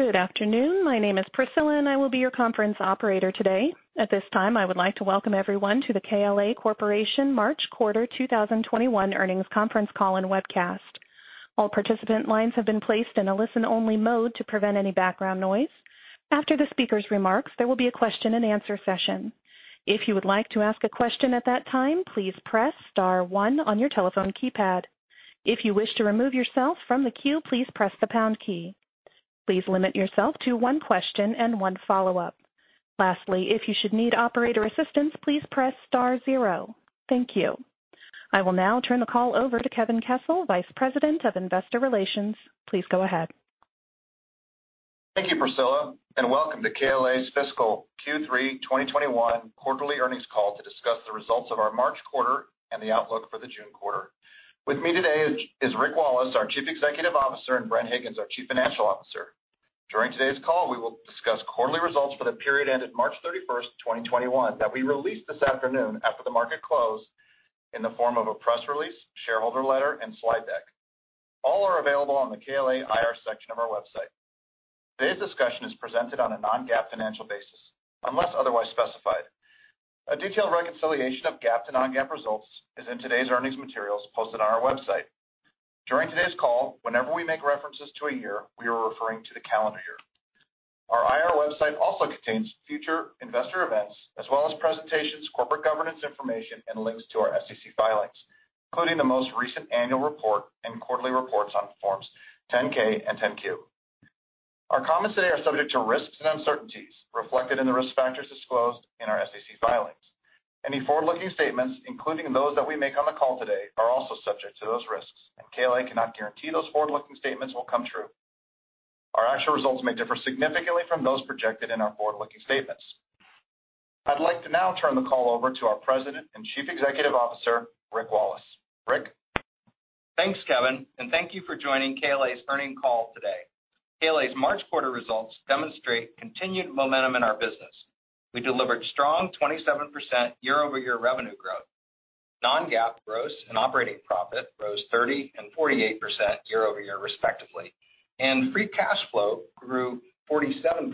Good afternoon. My name is Priscilla, and I will be your conference operator today. At this time, I would like to welcome everyone to the KLA Corporation March Quarter 2021 Earnings Conference Call and Webcast. All participant lines have been placed in a listen-only mode to prevent any background noise. After the speaker's remarks, there will be a question and answer session. If you would like to ask a question at that time, please press star one on your telephone keypad. If you wish to remove yourself from the queue, please press the pound key. Please limit yourself to one question and one follow-up. Lastly, if you should need operator assistance, please press star zero. Thank you. I will now turn the call over to Kevin Kessel, Vice President of Investor Relations. Please go ahead. Thank you, Priscilla, and welcome to KLA's fiscal Q3 2021 quarterly earnings call to discuss the results of our March quarter and the outlook for the June quarter. With me today is Rick Wallace, our Chief Executive Officer, and Bren Higgins, our Chief Financial Officer. During today's call, we will discuss quarterly results for the period ending March 31st, 2021, that we released this afternoon after the market close in the form of a press release, shareholder letter, and slide deck. All are available on the KLA IR section of our website. Today's discussion is presented on a non-GAAP financial basis, unless otherwise specified. A detailed reconciliation of GAAP to non-GAAP results is in today's earnings materials posted on our website. During today's call, whenever we make references to a year, we are referring to the calendar year. Our IR website also contains future investor events, as well as presentations, corporate governance information, and links to our SEC filings, including the most recent annual report and quarterly reports on Forms 10-K and 10-Q. Our comments today are subject to risks and uncertainties reflected in the risk factors disclosed in our SEC filings. Any forward-looking statements, including those that we make on the call today, are also subject to those risks, and KLA cannot guarantee those forward-looking statements will come true. Our actual results may differ significantly from those projected in our forward-looking statements. I'd like to now turn the call over to our President and Chief Executive Officer, Rick Wallace. Rick? Thanks, Kevin, and thank you for joining KLA's earnings call today. KLA's March quarter results demonstrate continued momentum in our business. We delivered strong 27% year-over-year revenue growth. Non-GAAP gross and operating profit rose 30% and 48% year-over-year respectively, and free cash flow grew 47%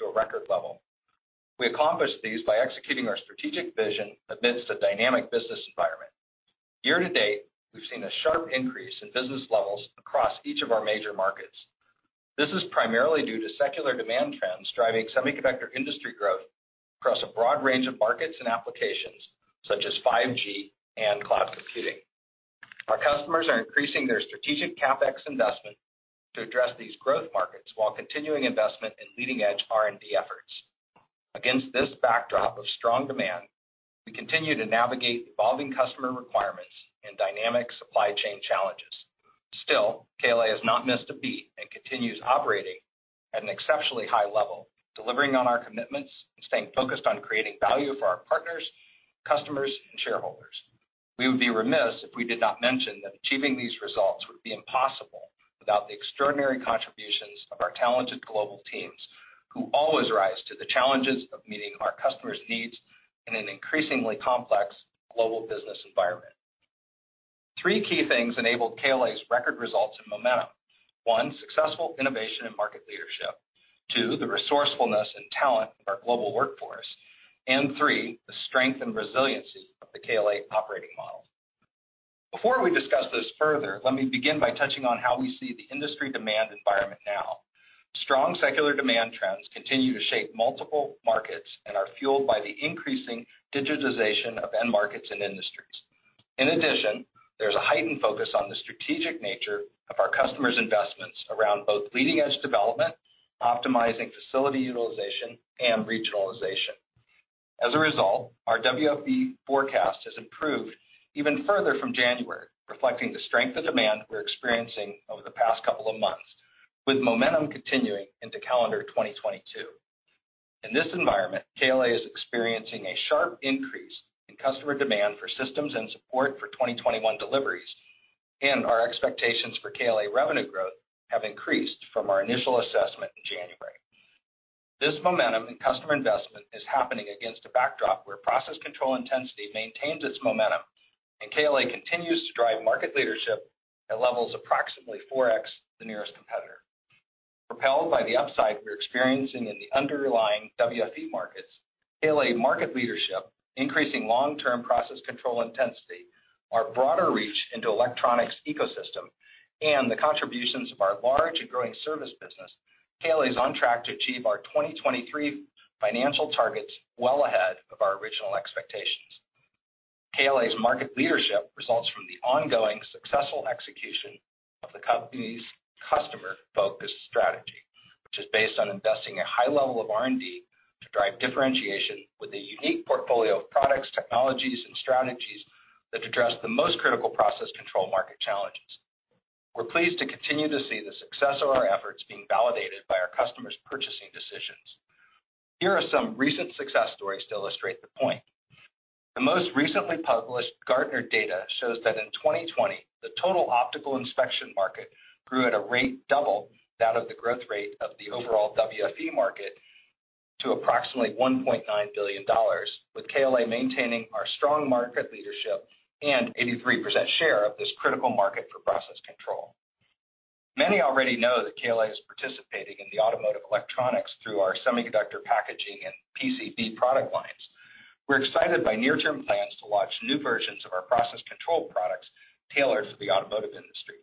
to a record level. We accomplished these by executing our strategic vision amidst a dynamic business environment. Year-to-date, we've seen a sharp increase in business levels across each of our major markets. This is primarily due to secular demand trends driving semiconductor industry growth across a broad range of markets and applications, such as 5G and Cloud computing. Our customers are increasing their strategic CapEx investment to address these growth markets while continuing investment in leading-edge R&D efforts. Against this backdrop of strong demand, we continue to navigate evolving customer requirements and dynamic supply chain challenges. Still, KLA has not missed a beat and continues operating at an exceptionally high level, delivering on our commitments and staying focused on creating value for our partners, customers, and shareholders. We would be remiss if we did not mention that achieving these results would be impossible without the extraordinary contributions of our talented global teams, who always rise to the challenges of meeting our customers' needs in an increasingly complex global business environment. Three key things enabled KLA's record results and momentum. One, successful innovation and market leadership. Two, the resourcefulness and talent of our global workforce, and three, the strength and resiliency of the KLA operating model. Before we discuss this further, let me begin by touching on how we see the industry demand environment now. Strong secular demand trends continue to shape multiple markets and are fueled by the increasing digitization of end markets and industries. In addition, there's a heightened focus on the strategic nature of our customers' investments around both leading-edge development, optimizing facility utilization, and regionalization. As a result, our WFE forecast has improved even further from January, reflecting the strength of demand we're experiencing over the past couple of months, with momentum continuing into calendar 2022. In this environment, KLA is experiencing a sharp increase in customer demand for systems and support for 2021 deliveries, and our expectations for KLA revenue growth have increased from our initial assessment in January. This momentum in customer investment is happening against a backdrop where process control intensity maintains its momentum and KLA continues to drive market leadership at levels approximately 4x the nearest competitor. Propelled by the upside we're experiencing in the underlying WFE markets, KLA market leadership, increasing long-term process control intensity, our broader reach into electronics ecosystem, and the contributions of our large and growing service business, KLA is on track to achieve our 2023 financial targets well ahead of our original expectations. KLA's market leadership results from the ongoing successful execution of the company's customer-focused strategy, which is based on investing a high level of R&D to drive differentiation with a unique portfolio of products, technologies, and strategies that address the most critical process control market challenges. We're pleased to continue to see the success of our efforts being validated by our customers' purchasing decisions. Here are some recent success stories to illustrate the point. The most recently published Gartner data shows that in 2020, the total optical inspection market grew at a rate double that of the growth rate of the overall WFE market to approximately $1.9 billion, with KLA maintaining our strong market leadership and 83% share of this critical market for process control. Many already know that KLA is participating in the automotive electronics through our semiconductor packaging and PCB product lines. We're excited by near-term plans to launch new versions of our process control products tailored for the automotive industry.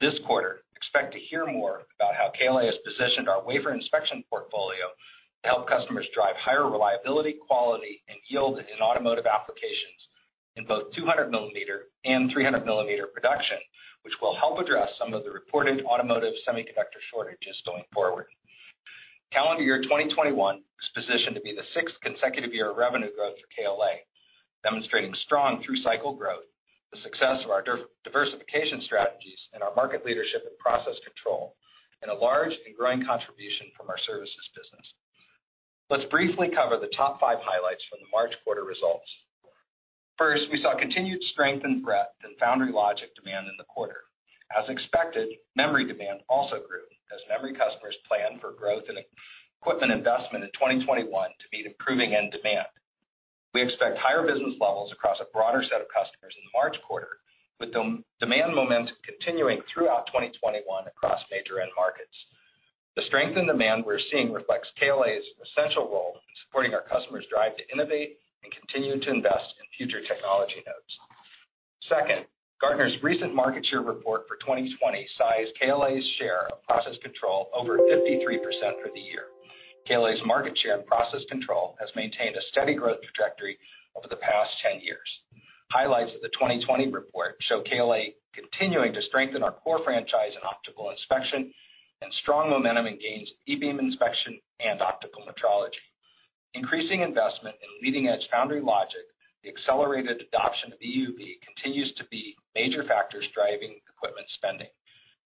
This quarter, expect to hear more about how KLA has positioned our wafer inspection portfolio to help customers drive higher reliability, quality, and yield in automotive applications in both 200 mm and 300 mm production, which will help address some of the reported automotive semiconductor shortages going forward. Calendar year 2021 is positioned to be the sixth consecutive year of revenue growth for KLA, demonstrating strong through cycle growth, the success of our diversification strategies, our market leadership in process control, and a large and growing contribution from our services business. Let's briefly cover the top five highlights from the March quarter results. First, we saw continued strength and breadth in foundry logic demand in the quarter. As expected, memory demand also grew as memory customers plan for growth and equipment investment in 2021 to meet improving end demand. We expect higher business levels across a broader set of customers in the March quarter, with demand momentum continuing throughout 2021 across major end markets. The strength in demand we're seeing reflects KLA's essential role in supporting our customers' drive to innovate and continue to invest in future technology nodes. Second, Gartner's recent market share report for 2020 sized KLA's share of Process Control over 53% for the year. KLA's market share in Process Control has maintained a steady growth trajectory over the past 10 years. Highlights of the 2020 report show KLA continuing to strengthen our core franchise in Optical Inspection and strong momentum and gains in e-beam inspection and Optical Metrology. Increasing investment in leading-edge foundry logic, the accelerated adoption of EUV continues to be major factors driving equipment spending.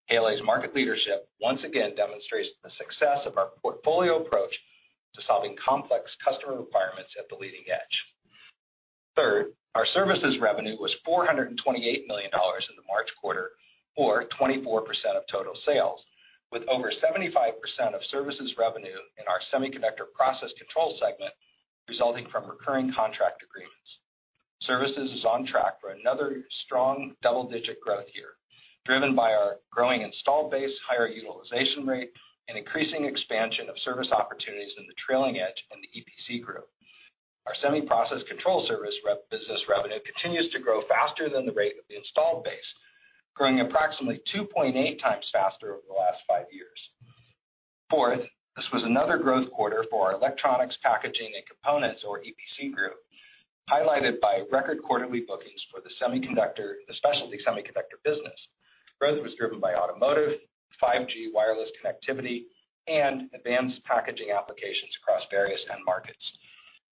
KLA's market leadership once again demonstrates the success of our portfolio approach to solving complex customer requirements at the leading edge. Third, our services revenue was $428 million in the March quarter, or 24% of total sales, with over 75% of services revenue in our Semiconductor Process Control segment resulting from recurring contract agreements. Services is on track for another strong double-digit growth year, driven by our growing installed base, higher utilization rate, and increasing expansion of service opportunities in the trailing edge and the EPC group. Our Semiconductor Process Control service business revenue continues to grow faster than the rate of the installed base, growing approximately 2.8x faster over the last five years. Fourth, this was another growth quarter for our electronics packaging and components, or EPC group, highlighted by record quarterly bookings for the semiconductor and the specialty semiconductor business. Growth was driven by automotive, 5G wireless connectivity, and advanced packaging applications across various end markets.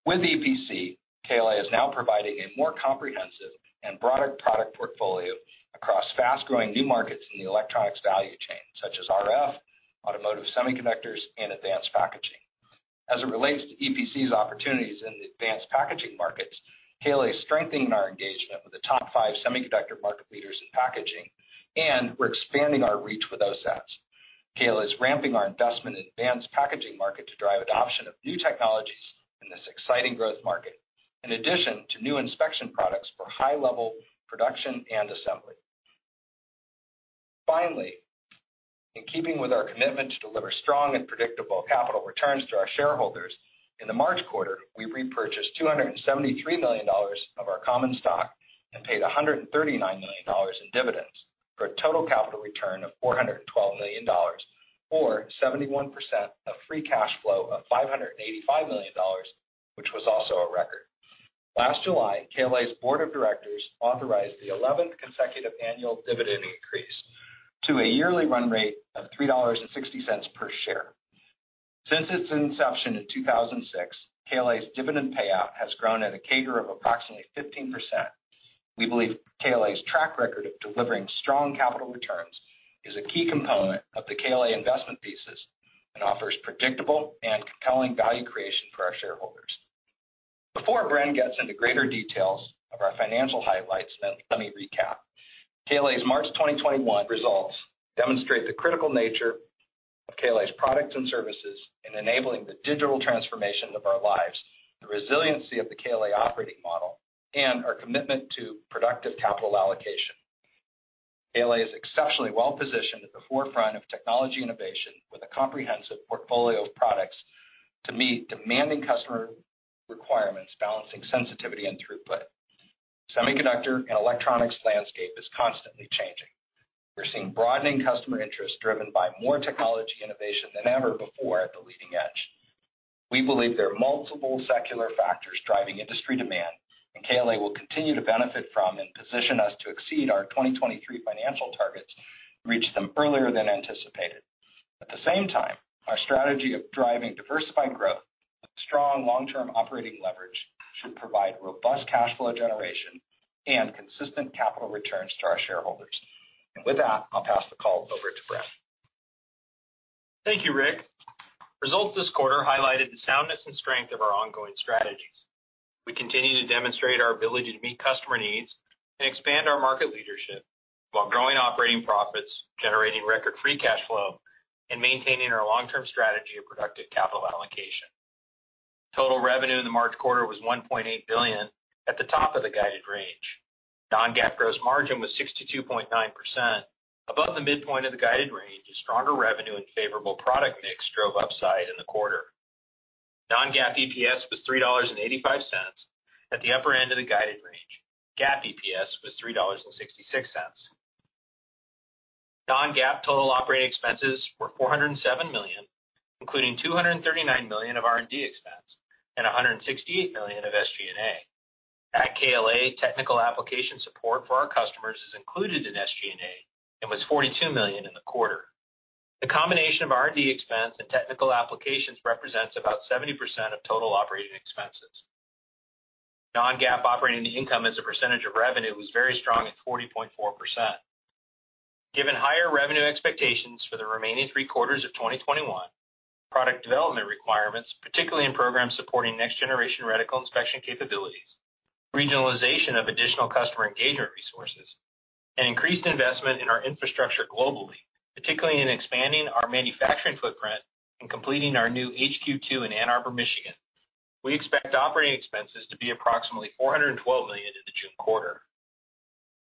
With EPC, KLA is now providing a more comprehensive and broader product portfolio across fast-growing new markets in the electronics value chain, such as RF, automotive semiconductors, and advanced packaging. As it relates to EPC's opportunities in the advanced packaging markets, KLA is strengthening our engagement with the top five semiconductor market leaders in packaging. We're expanding our reach with OSATs. KLA is ramping our investment in advanced packaging market to drive adoption of new technologies in this exciting growth market, in addition to new inspection products for high-level production and assembly. In keeping with our commitment to deliver strong and predictable capital returns to our shareholders, in the March quarter, we repurchased $273 million of our common stock and paid $139 million in dividends for a total capital return of $412 million, or 71% of free cash flow of $585 million, which was also a record. Last July, KLA's Board of Directors authorized the 11th consecutive annual dividend increase to a yearly run rate of $3.60 per share. Since its inception in 2006, KLA's dividend payout has grown at a CAGR of approximately 15%. We believe KLA's track record of delivering strong capital returns is a key component of the KLA investment thesis and offers predictable and compelling value creation for our shareholders. Before Bren gets into greater details of our financial highlights, let me recap. KLA's March 2021 results demonstrate the critical nature of KLA's products and services in enabling the digital transformation of our lives, the resiliency of the KLA operating model, and our commitment to productive capital allocation. KLA is exceptionally well-positioned at the forefront of technology innovation with a comprehensive portfolio of products to meet demanding customer requirements balancing sensitivity and throughput. Semiconductor and electronics landscape is constantly changing. We're seeing broadening customer interest driven by more technology innovation than ever before at the leading edge. We believe there are multiple secular factors driving industry demand, and KLA will continue to benefit from and position us to exceed our 2023 financial targets, reach them earlier than anticipated. At the same time, our strategy of driving diversified growth with strong long-term operating leverage should provide robust cash flow generation and consistent capital returns to our shareholders. With that, I'll pass the call over to Bren. Thank you, Rick. Results this quarter highlighted the soundness and strength of our ongoing strategies. Continue to demonstrate our ability to meet customer needs and expand our market leadership while growing operating profits, generating record free cash flow, and maintaining our long-term strategy of productive capital allocation. Total revenue in the March quarter was $1.8 billion at the top of the guided range. Non-GAAP gross margin was 62.9%, above the midpoint of the guided range as stronger revenue and favorable product mix drove upside in the quarter. Non-GAAP EPS was $3.85 at the upper end of the guided range. GAAP EPS was $3.66. Non-GAAP total operating expenses were $407 million, including $239 million of R&D expense and $168 million of SG&A. At KLA, technical application support for our customers is included in SG&A and was $42 million in the quarter. The combination of R&D expense and technical applications represents about 70% of total operating expenses. Non-GAAP operating income as a percentage of revenue was very strong at 40.4%. Given higher revenue expectations for the remaining three quarters of 2021, product development requirements, particularly in programs supporting next generation reticle inspection capabilities, regionalization of additional customer engagement resources, and increased investment in our infrastructure globally, particularly in expanding our manufacturing footprint and completing our new second U.S. headquarters in Ann Arbor, Michigan. We expect operating expenses to be approximately $412 million in the June quarter.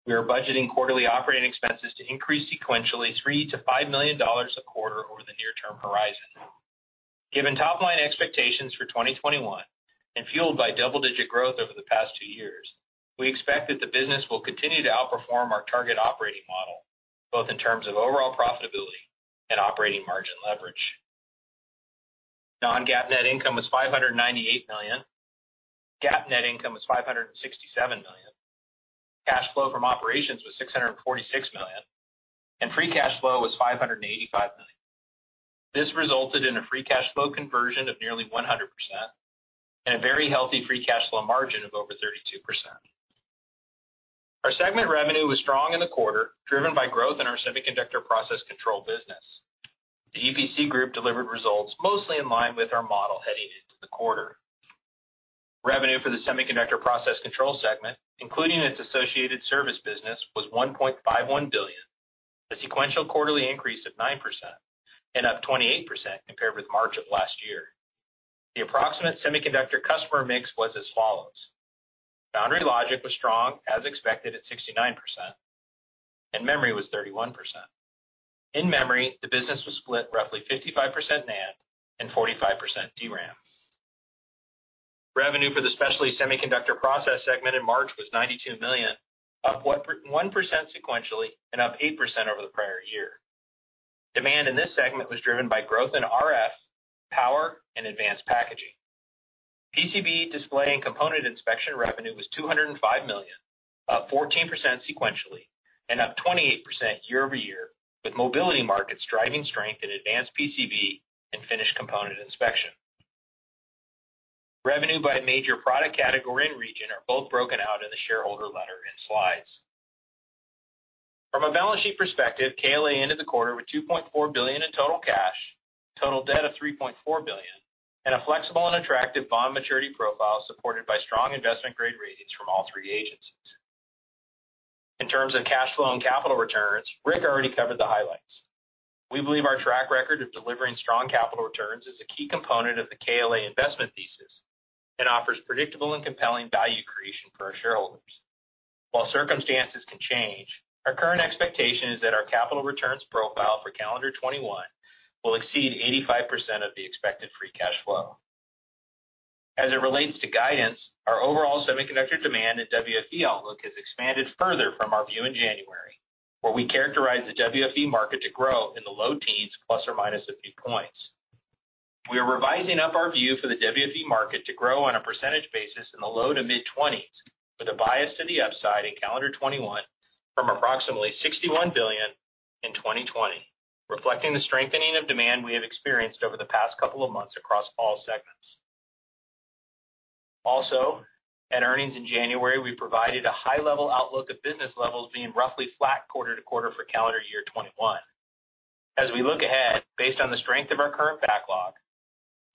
We are budgeting quarterly operating expenses to increase sequentially $3 million-$5 million a quarter over the near-term horizon. Given top-line expectations for 2021 and fueled by double-digit growth over the past two years, we expect that the business will continue to outperform our target operating model, both in terms of overall profitability and operating margin leverage. Non-GAAP net income was $598 million. GAAP net income was $567 million. Cash flow from operations was $646 million, and free cash flow was $585 million. This resulted in a free cash flow conversion of nearly 100% and a very healthy free cash flow margin of over 32%. Our segment revenue was strong in the quarter, driven by growth in our Semiconductor Process Control business. The EPC group delivered results mostly in line with our model heading into the quarter. Revenue for the Semiconductor Process Control segment, including its associated service business, was $1.51 billion, a sequential quarterly increase of 9% and up 28% compared with March of last year. The approximate semiconductor customer mix was as follows: Foundry logic was strong as expected at 69%, and memory was 31%. In memory, the business was split roughly 55% NAND and 45% DRAM. Revenue for the specialty semiconductor process segment in March was $92 million, up 1% sequentially and up 8% over the prior year. Demand in this segment was driven by growth in RF, power, and advanced packaging. PCB display and component inspection revenue was $205 million, up 14% sequentially and up 28% year-over-year with mobility markets driving strength in advanced PCB and finished component inspection. Revenue by major product category and region are both broken out in the shareholder letter and slides. From a balance sheet perspective, KLA ended the quarter with $2.4 billion in total cash, total debt of $3.4 billion, and a flexible and attractive bond maturity profile supported by strong investment-grade ratings from all three agencies. In terms of cash flow and capital returns, Rick already covered the highlights. We believe our track record of delivering strong capital returns is a key component of the KLA investment thesis and offers predictable and compelling value creation for our shareholders. While circumstances can change, our current expectation is that our capital returns profile for calendar 2021 will exceed 85% of the expected free cash flow. As it relates to guidance, our overall semiconductor demand and WFE outlook has expanded further from our view in January, where we characterized the WFE market to grow in the low teens plus or minus a few points. We are revising up our view for the WFE market to grow on a percentage basis in the low to mid-20s with a bias to the upside in calendar 2021 from approximately $61 billion in 2020, reflecting the strengthening of demand we have experienced over the past couple of months across all segments. Also, at earnings in January, we provided a high-level outlook of business levels being roughly flat quarter-to-quarter for calendar year 2021. As we look ahead, based on the strength of our current backlog,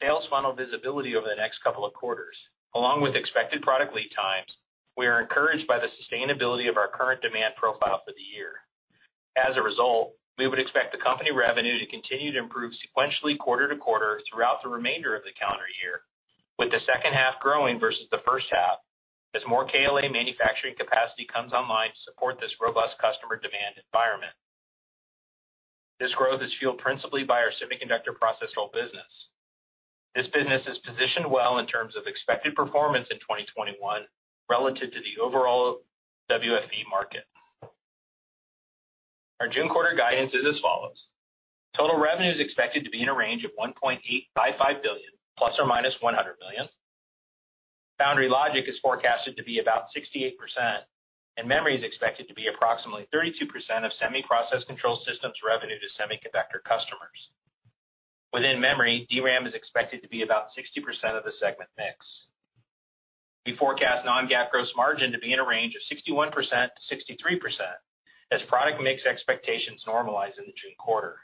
sales funnel visibility over the next couple of quarters, along with expected product lead times, we are encouraged by the sustainability of our current demand profile for the year. As a result, we would expect the company revenue to continue to improve sequentially quarter-to-quarter throughout the remainder of the calendar year, with the H2 growing versus the H1 as more KLA manufacturing capacity comes online to support this robust customer demand environment. This growth is fueled principally by our semiconductor process control business. This business is positioned well in terms of expected performance in 2021 relative to the overall WFE market. Our June quarter guidance is as follows. Total revenue is expected to be in a range of $1.855 billion ±$100 million. Foundry logic is forecasted to be about 68%, and memory is expected to be approximately 32% of semi-process control systems revenue to semiconductor customers. Within memory, DRAM is expected to be about 60% of the segment mix. We forecast non-GAAP gross margin to be in a range of 61%-63% as product mix expectations normalize in the June quarter.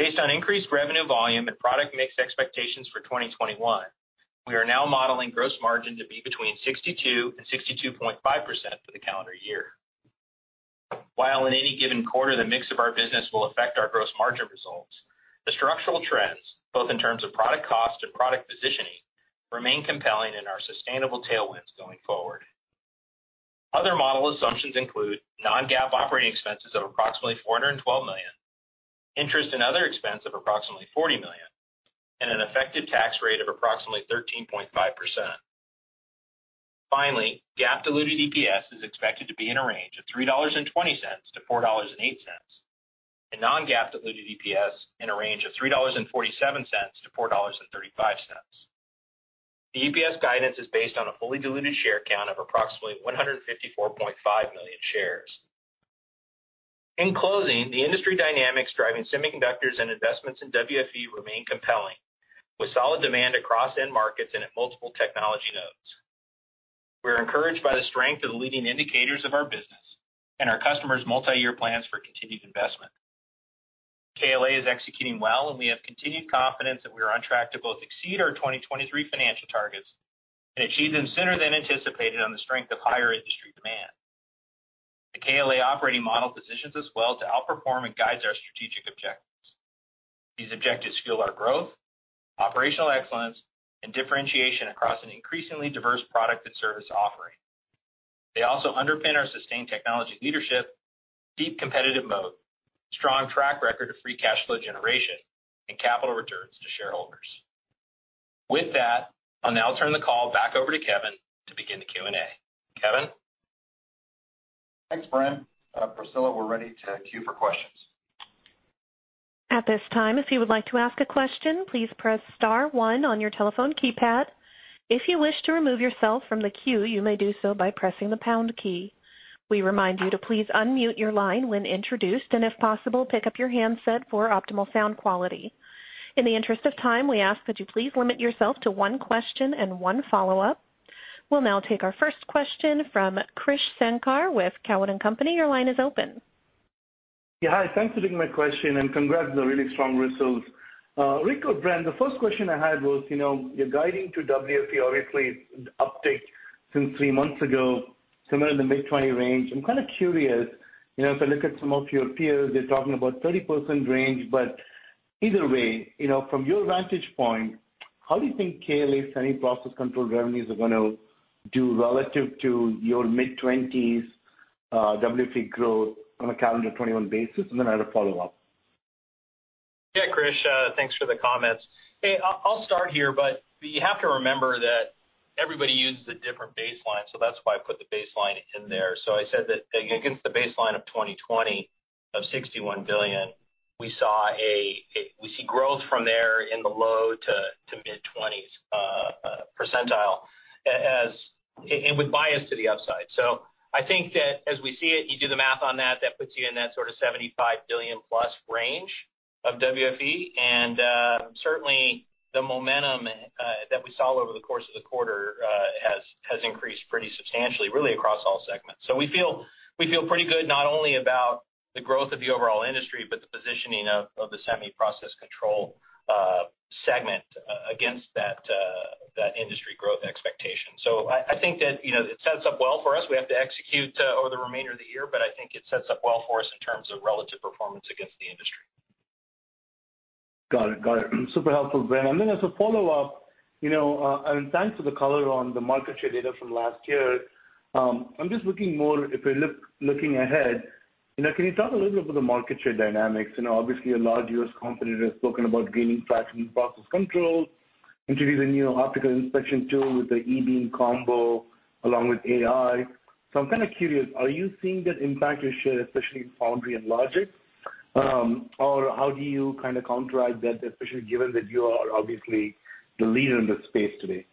Increased revenue volume and product mix expectations for 2021. We are now modeling gross margin to be between 62% and 62.5% for the calendar year. While in any given quarter, the mix of our business will affect our gross margin results, the structural trends, both in terms of product cost and product positioning, remain compelling and are sustainable tailwinds going forward. Other model assumptions include non-GAAP operating expenses of approximately $412 million, interest and other expense of approximately $40 million, and an effective tax rate of approximately 13.5%. Finally, GAAP diluted EPS is expected to be in a range of $3.20-$4.08, and non-GAAP diluted EPS in a range of $3.47-$4.35. The EPS guidance is based on a fully diluted share count of approximately 154.5 million shares. In closing, the industry dynamics driving semiconductors and investments in WFE remain compelling, with solid demand across end markets and at multiple technology nodes. We are encouraged by the strength of the leading indicators of our business and our customers' multi-year plans for continued investment. KLA is executing well, and we have continued confidence that we are on track to both exceed our 2023 financial targets and achieve them sooner than anticipated on the strength of higher industry demand. The KLA operating model positions us well to outperform and guides our strategic objectives. These objectives fuel our growth, operational excellence, and differentiation across an increasingly diverse product and service offering. They also underpin our sustained technology leadership, deep competitive moat, strong track record of free cash flow generation, and capital returns to shareholders. With that, I'll now turn the call back over to Kevin to begin the Q&A. Kevin? Thanks, Bren. Priscilla, we're ready to queue for questions. At this time, if you would like to ask a question, please press star one on your telephone keypad. If you wish to remove yourself from the queue, you may do so by pressing the pound key. We remind you to please unmute your line when introduced, and if possible, pick up your handset for optimal sound quality. In the interest of time, we ask that you please limit yourself to one question and one follow-up. We'll now take our first question from Krish Sankar with Cowen and Company. Your line is open. Yeah, hi. Thanks for taking my question, and congrats on the really strong results. Rick or Bren, the first question I had was, you're guiding to WFE, obviously, the update since three months ago, somewhere in the mid-20 range. I'm kind of curious, if I look at some of your peers, they're talking about 30% range, but either way, from your vantage point, how do you think KLA's Semiconductor Process Control revenues are going to do relative to your mid-20s WFE growth on a calendar 2021 basis, and then I have a follow-up? Yeah, Krish. Thanks for the comments. Hey, I'll start here, but you have to remember that everybody uses a different baseline, so that's why I put the baseline in there. I said that against the baseline of 2020, of $61 billion, we see growth from there in the low to mid-20s percentile, and with bias to the upside. I think that as we see it, you do the math on that puts you in that sort of $75+ billion range of WFE. Certainly, the momentum that we saw over the course of the quarter has increased pretty substantially, really across all segments. We feel pretty good not only about the growth of the overall industry, but the positioning of the Semiconductor Process Control segment against that industry growth expectation. I think that it sets up well for us. We have to execute over the remainder of the year, but I think it sets up well for us in terms of relative performance against the industry. Got it. Super helpful, Bren. As a follow-up, and thanks for the color on the market share data from last year. I'm just looking more, if we're looking ahead, can you talk a little bit about the market share dynamics? Obviously, a large U.S. competitor has spoken about gaining traction in process control, introducing new optical inspection tool with the e-beam combo along with AI. I'm kind of curious, are you seeing that impact your share, especially in foundry and logic? How do you kind of counteract that, especially given that you are obviously the leader in this space today?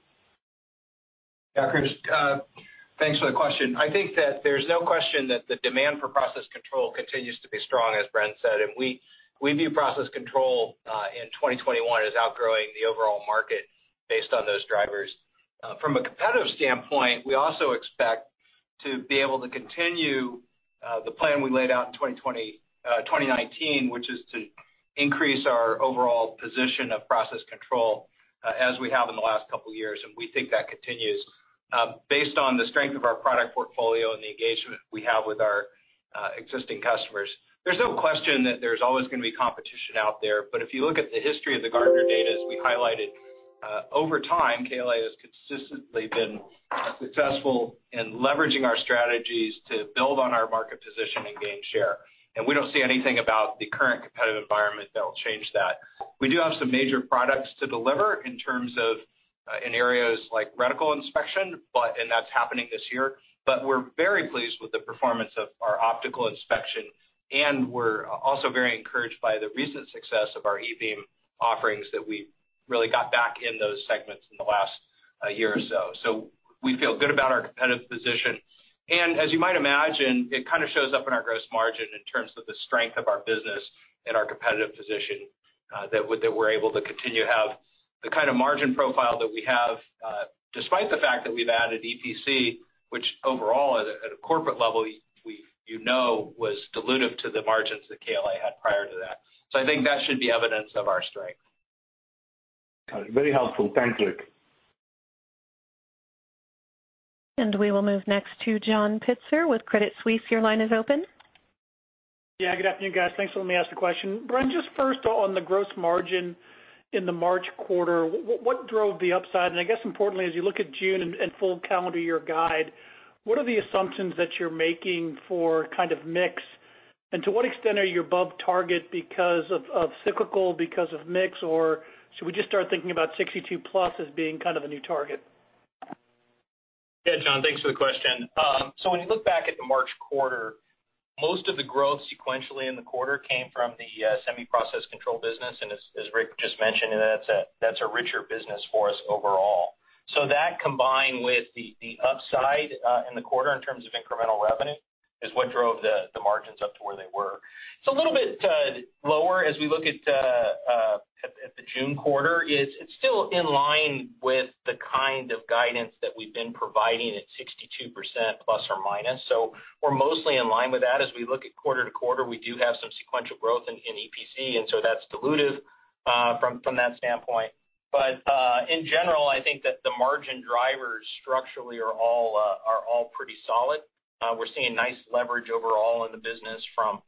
Yeah, Krish Sankar. Thanks for the question. I think that there's no question that the demand for Process Control continues to be strong, as Bren said. We view Process Control in 2021 as outgrowing the overall market based on those drivers. From a competitive standpoint, we also expect to be able to continue the plan we laid out in 2019, which is to increase our overall position of Process Control as we have in the last couple of years. We think that continues based on the strength of our product portfolio and the engagement we have with our existing customers. There's no question that there's always going to be competition out there. If you look at the history of the Gartner data, as we highlighted, over time, KLA has consistently been successful in leveraging our strategies to build on our market position and gain share. We don't see anything about the current competitive environment that will change that. We do have some major products to deliver in terms of in areas like reticle inspection, and that's happening this year, but we're very pleased with the performance of our optical inspection, and we're also very encouraged by the recent success of our e-beam offerings that we really got back in those segments in the last year or so. We feel good about our competitive position. As you might imagine, it kind of shows up in our gross margin in terms of the strength of our business and our competitive position that we're able to continue to have the kind of margin profile that we have, despite the fact that we've added EPC, which overall at a corporate level you know was dilutive to the margins that KLA had prior to that. I think that should be evidence of our strength. Got it. Very helpful. Thanks, Rick. We will move next to John Pitzer with Credit Suisse. Your line is open. Yeah. Good afternoon, guys. Thanks for letting me ask the question. Bren, just first on the gross margin in the March quarter, what drove the upside? I guess importantly, as you look at June and full calendar year guide, what are the assumptions that you're making for kind of mix, and to what extent are you above target because of cyclical, because of mix, or should we just start thinking about 62%+ as being kind of the new target? Yeah, Joe, thanks for the question. When you look back at the March quarter, most of the growth sequentially in the quarter came from the Semiconductor Process Control business, and as Rick just mentioned, that's a richer business for us overall. That combined with the upside, in the quarter in terms of incremental revenue is what drove the margins up to where they were. It's a little bit lower as we look at the June quarter. It's still in line with the kind of guidance that we've been providing at 62% ±. We're mostly in line with that. As we look at quarter to quarter, we do have some sequential growth in EPC, that's dilutive from that standpoint. In general, I think that the margin drivers structurally are all pretty solid. We're seeing nice leverage overall in the business from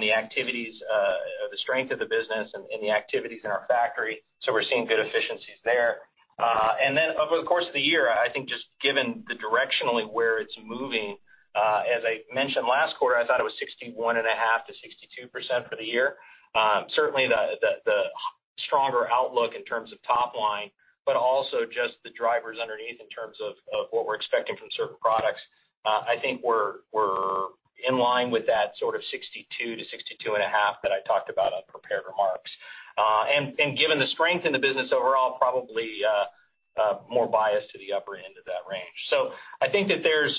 the activities, the strength of the business, and the activities in our factory. We're seeing good efficiencies there. Over the course of the year, I think just given the directionally where it's moving, as I mentioned last quarter, I thought it was 61.5%-62% for the year. Certainly the stronger outlook in terms of top line, but also just the drivers underneath in terms of what we're expecting from certain products. I think we're in line with that sort of 62%-62.5% that I talked about on prepared remarks. Given the strength in the business overall, probably more bias to the upper end of that range. I think that there's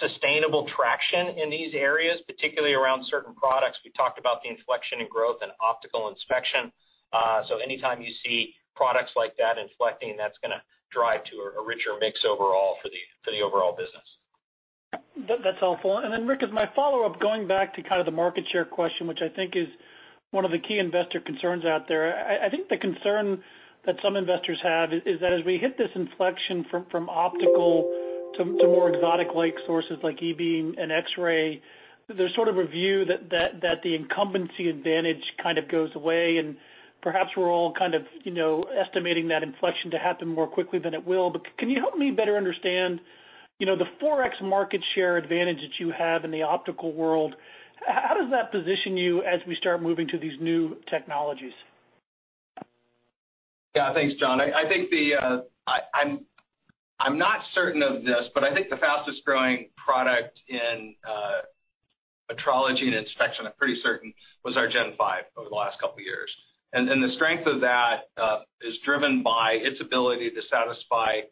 sustainable traction in these areas, particularly around certain products. We talked about the inflection in growth and Optical Inspection. Anytime you see products like that inflecting, that's going to drive to a richer mix overall for the overall business. That's helpful. Rick, as my follow-up, going back to kind of the market share question, which I think is one of the key investor concerns out there. I think the concern that some investors have is that as we hit this inflection from optical to more exotic-like sources like e-beam and X-ray, there's sort of a view that the incumbency advantage kind of goes away, and perhaps we're all kind of estimating that inflection to happen more quickly than it will. Can you help me better understand the 4x market share advantage that you have in the optical world? How does that position you as we start moving to these new technologies? Thanks, John. I'm not certain of this, but I think the fastest-growing product in metrology and inspection, I'm pretty certain, was our Gen 5 over the last couple of years. The strength of that is driven by its ability to satisfy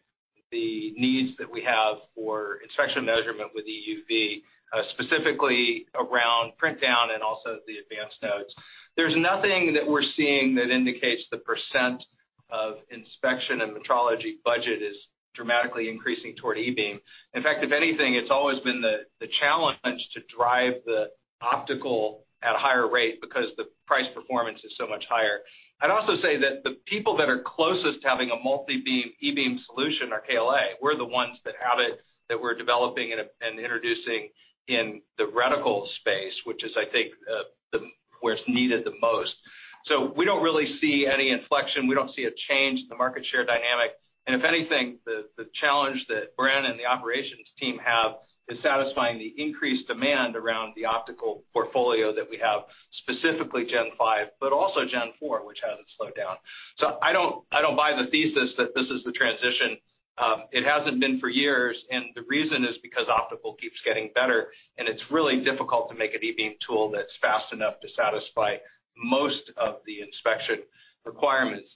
the needs that we have for inspection measurement with EUV, specifically around print down and also the advanced nodes. There's nothing that we're seeing that indicates the percent of inspection and metrology budget is dramatically increasing toward e-beam. In fact, if anything, it's always been the challenge to drive the optical at a higher rate because the price performance is so much higher. I'd also say that the people that are closest to having a multi-beam e-beam solution are KLA. We're the ones that have it, that we're developing and introducing in the reticle space, which is, I think, where it's needed the most. We don't really see any inflection. We don't see a change in the market share dynamic. If anything, the challenge that Bren and the operations team have is satisfying the increased demand around the optical portfolio that we have, specifically Gen 5, but also Gen 4, which hasn't slowed down. I don't buy the thesis that this is the transition. It hasn't been for years, and the reason is because optical keeps getting better, and it's really difficult to make an e-beam tool that's fast enough to satisfy most of the inspection requirements.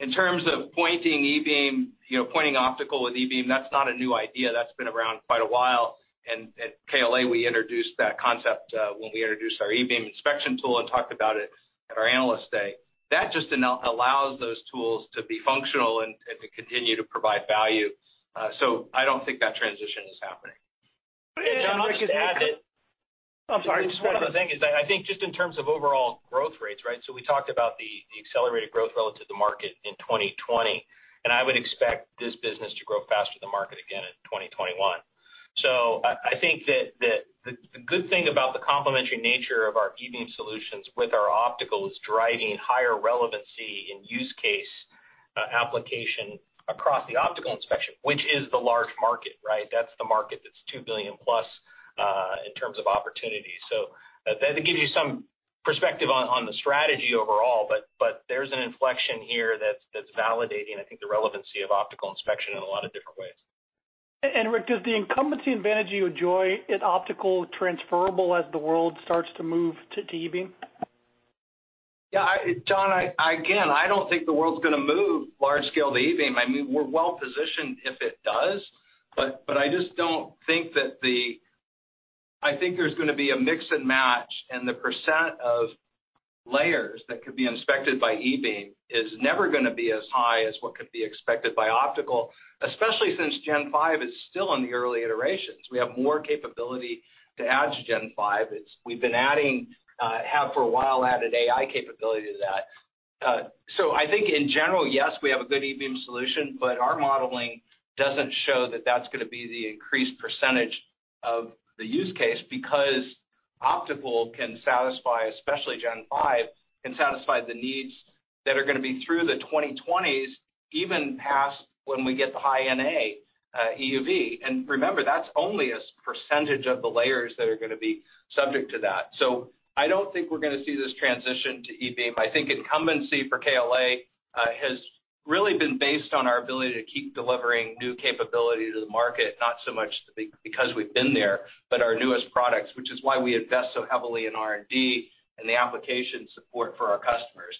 In terms of pointing e-beam, pointing optical with e-beam, that's not a new idea. That's been around quite a while. At KLA, we introduced that concept when we introduced our e-beam inspection tool and talked about it at our Analyst Day. That just allows those tools to be functional and to continue to provide value. I don't think that transition is happening. John, I'll just add. I'm sorry. One other thing is that in terms of overall growth rates. We talked about the accelerated growth relative to market in 2020, and I would expect this business to grow faster than market again in 2021. The good thing about the complementary nature of our e-beam solutions with our optical is driving higher relevancy in use case application across the optical inspection, which is the large market. That's the market that's $2 billion+, in terms of opportunities. That gives you some perspective on the strategy overall, but there's an inflection here that's validating the relevancy of optical inspection in a lot of different ways. Rick, does the incumbency advantage you enjoy in optical transferable as the world starts to move to e-beam? Yeah. John, again, I don't think the world's going to move large scale to e-beam. I mean, we're well positioned if it does, but I just don't think I think there's going to be a mix and match, and the percent of layers that could be inspected by e-beam is never going to be as high as what could be expected by optical, especially since Gen 5 is still in the early iterations. We have more capability to add to Gen 5. We've been adding, have for a while added AI capability to that. I think in general, yes, we have a good e-beam solution, but our modeling doesn't show that that's going to be the increased percentage of the use case because optical can satisfy, especially Gen 5, can satisfy the needs that are going to be through the 2020s, even past when we get the high-NA EUV. Remember, that's only a percentage of the layers that are going to be subject to that. I don't think we're going to see this transition to e-beam. I think incumbency for KLA has really been based on our ability to keep delivering new capability to the market, not so much because we've been there, but our newest products. We invest so heavily in R&D and the application support for our customers.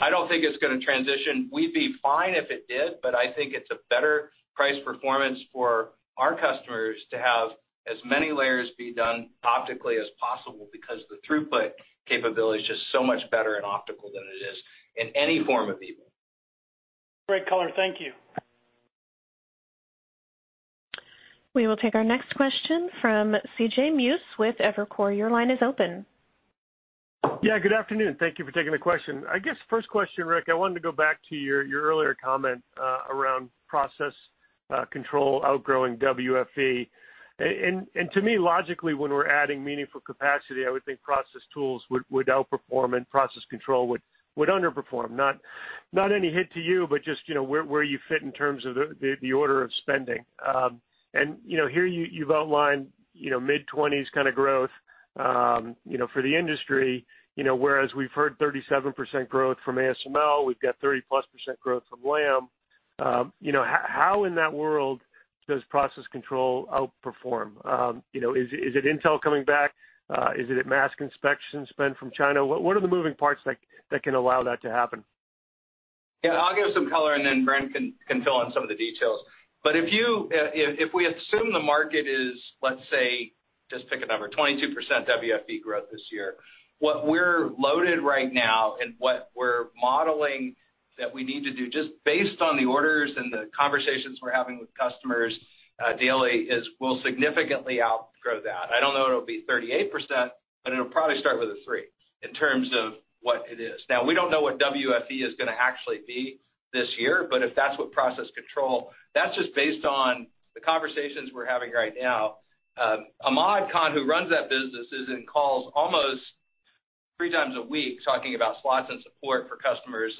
I don't think it's going to transition. We'd be fine if it did, I think it's a better price performance for our customers to have as many layers be done optically as possible because the throughput capability is just so much better in optical than it is in any form of e-beam. Great color. Thank you. We will take our next question from CJ Muse with Evercore. Your line is open. Yeah, good afternoon. Thank you for taking the question. I guess first question, Rick, I wanted to go back to your earlier comment around Process Control outgrowing WFE. To me, logically, when we're adding meaningful capacity, I would think process tools would outperform and Process Control would underperform. Not any hit to you, but just where you fit in terms of the order of spending. Here you've outlined mid-20s kind of growth for the industry, whereas we've heard 37% growth from ASML, we've got 30%+ growth from Lam. How in that world does Process Control outperform? Is it Intel coming back? Is it at reticle inspection spend from China? What are the moving parts that can allow that to happen? Yeah, I'll give some color, and then Bren can fill in some of the details. If we assume the market is, let's say, just pick a number, 22% WFE growth this year, what we're loaded right now and what we're modeling that we need to do just based on the orders and the conversations we're having with customers daily, is we'll significantly outgrow that. I don't know it'll be 38%, but it'll probably start with a three in terms of what it is. We don't know what WFE is going to actually be this year. If that's what Process Control, that's just based on the conversations we're having right now. Ahmad Khan, who runs that business, is in calls almost three times a week talking about slots and support for customers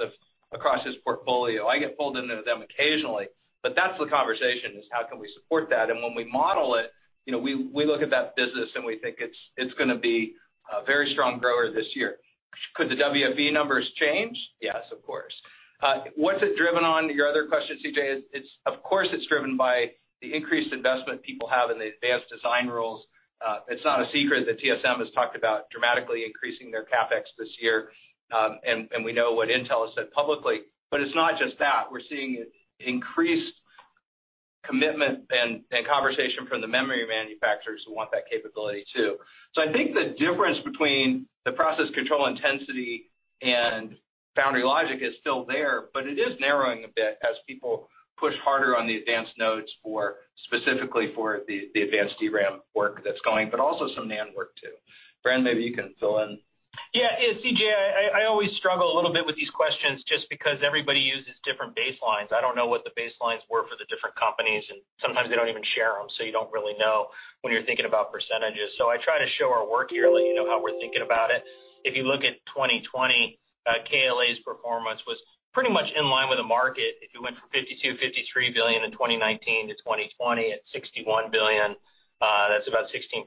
across his portfolio. I get pulled into them occasionally, but that's the conversation, is how can we support that. When we model it, we look at that business, and we think it's going to be a very strong grower this year. Could the WFE numbers change? Yes, of course. What's it driven on, your other question, CJ, of course it's driven by the increased investment people have in the advanced design rules. It's not a secret that TSM has talked about dramatically increasing their CapEx this year, and we know what Intel has said publicly. It's not just that. We're seeing increased commitment and conversation from the memory manufacturers who want that capability, too. I think the difference between the Process Control intensity and foundry logic is still there, but it is narrowing a bit as people push harder on the advanced nodes for specifically for the advanced DRAM work that's going, but also some NAND work, too. Bren, maybe you can fill in. CJ, I always struggle a little bit with these questions just because everybody uses different baselines. I don't know what the baselines were for the different companies, and sometimes they don't even share them, so you don't really know when you're thinking about percentages. I try to show our work here, let you know how we're thinking about it. If you look at 2020, KLA's performance was pretty much in line with the market. If you went from $52 billion-$53 billion in 2019 to 2020 at $61 billion, that's about 16%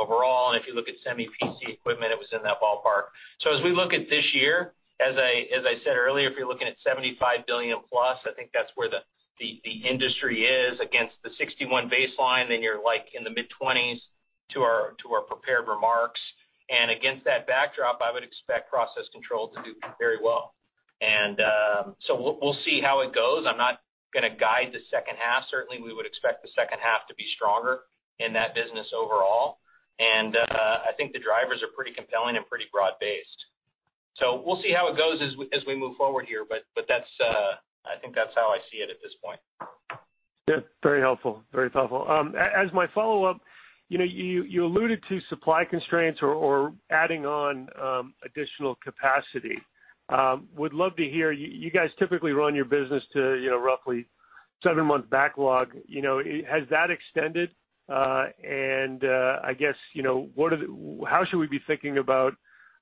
overall. If you look at semi PC equipment, it was in that ballpark. As we look at this year, as I said earlier, if you're looking at $75 billion+, I think that's where the industry is against the $61 billion baseline, you're like in the mid-20s to our prepared remarks. Against that backdrop, I would expect Process Control to do very well. We'll see how it goes. I'm not going to guide the second half. Certainly, we would expect the second half to be stronger in that business overall. I think the drivers are pretty compelling and pretty broad-based. We'll see how it goes as we move forward here, I think that's how I see it at this point. Yeah. Very helpful. As my follow-up, you alluded to supply constraints or adding on additional capacity. Would love to hear, you guys typically run your business to roughly seven-month backlog. Has that extended? I guess, how should we be thinking about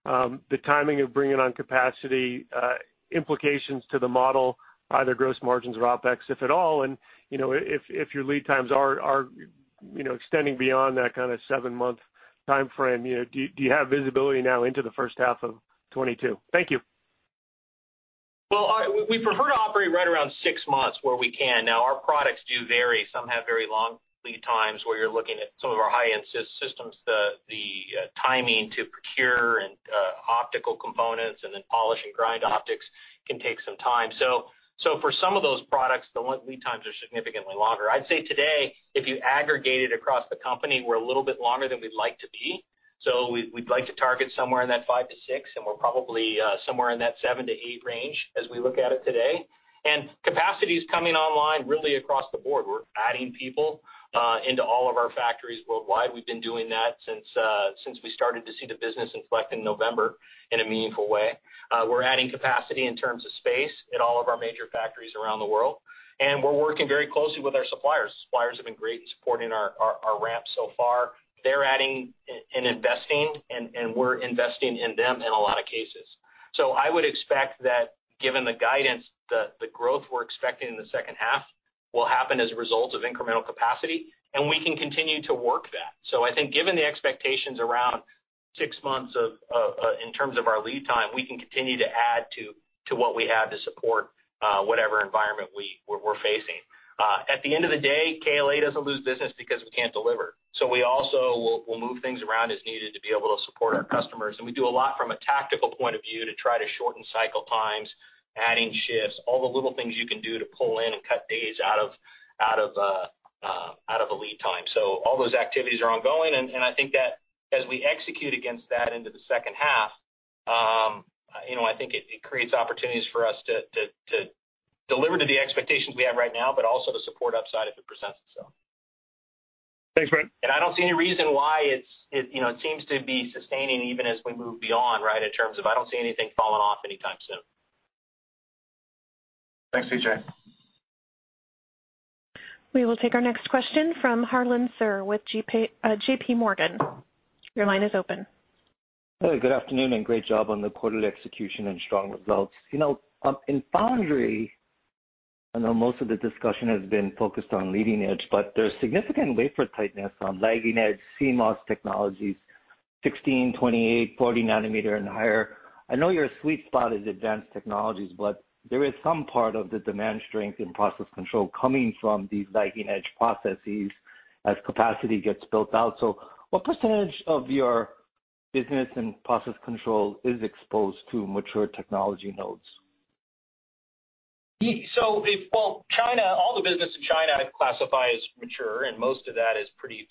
the timing of bringing on capacity, implications to the model, either gross margins or OpEx, if at all, and if your lead times are extending beyond that kind of seven-month timeframe, do you have visibility now into the first half of 2022? Thank you. We prefer to operate right around six months where we can. Our products do vary. Some have very long lead times where you're looking at some of our high-end systems, the timing to procure and optical components and then polish and grind optics can take some time. For some of those products Lead times are significantly longer. I'd say today, if you aggregate it across the company, we're a little bit longer than we'd like to be. We'd like to target somewhere in that five to six, and we're probably somewhere in that seven to eight range as we look at it today. Capacity's coming online really across the board. We're adding people into all of our factories worldwide. We've been doing that since we started to see the business inflect in November in a meaningful way. We're adding capacity in terms of space in all of our major factories around the world, and we're working very closely with our suppliers. Suppliers have been great in supporting our ramp so far. They're adding and investing, and we're investing in them in a lot of cases. I would expect that given the guidance, the growth we're expecting in the H2 will happen as a result of incremental capacity, and we can continue to work that. I think given the expectations around six months in terms of our lead time, we can continue to add to what we have to support whatever environment we're facing. At the end of the day, KLA doesn't lose business because we can't deliver. We also will move things around as needed to be able to support our customers, and we do a lot from a tactical point of view to try to shorten cycle times, adding shifts, all the little things you can do to pull in and cut days out of a lead time. All those activities are ongoing, and I think that as we execute against that into the second half, I think it creates opportunities for us to deliver to the expectations we have right now, but also to support upside if it presents itself. Thanks, Rick. I don't see any reason why it seems to be sustaining even as we move beyond, in terms of I don't see anything falling off anytime soon. Thanks, CJ. We will take our next question from Harlan Sur with JP Morgan. Your line is open. Hey, good afternoon, great job on the quarterly execution and strong results. In foundry, I know most of the discussion has been focused on leading edge, there's significant wafer tightness on lagging edge, CMOS technologies, 16 nm, 28 nm, 40 nm and higher. I know your sweet spot is advanced technologies, there is some part of the demand strength in process control coming from these lagging edge processes as capacity gets built out. What percentage of your business and process control is exposed to mature technology nodes? Well, all the business in China I'd classify as mature. Most of that is pretty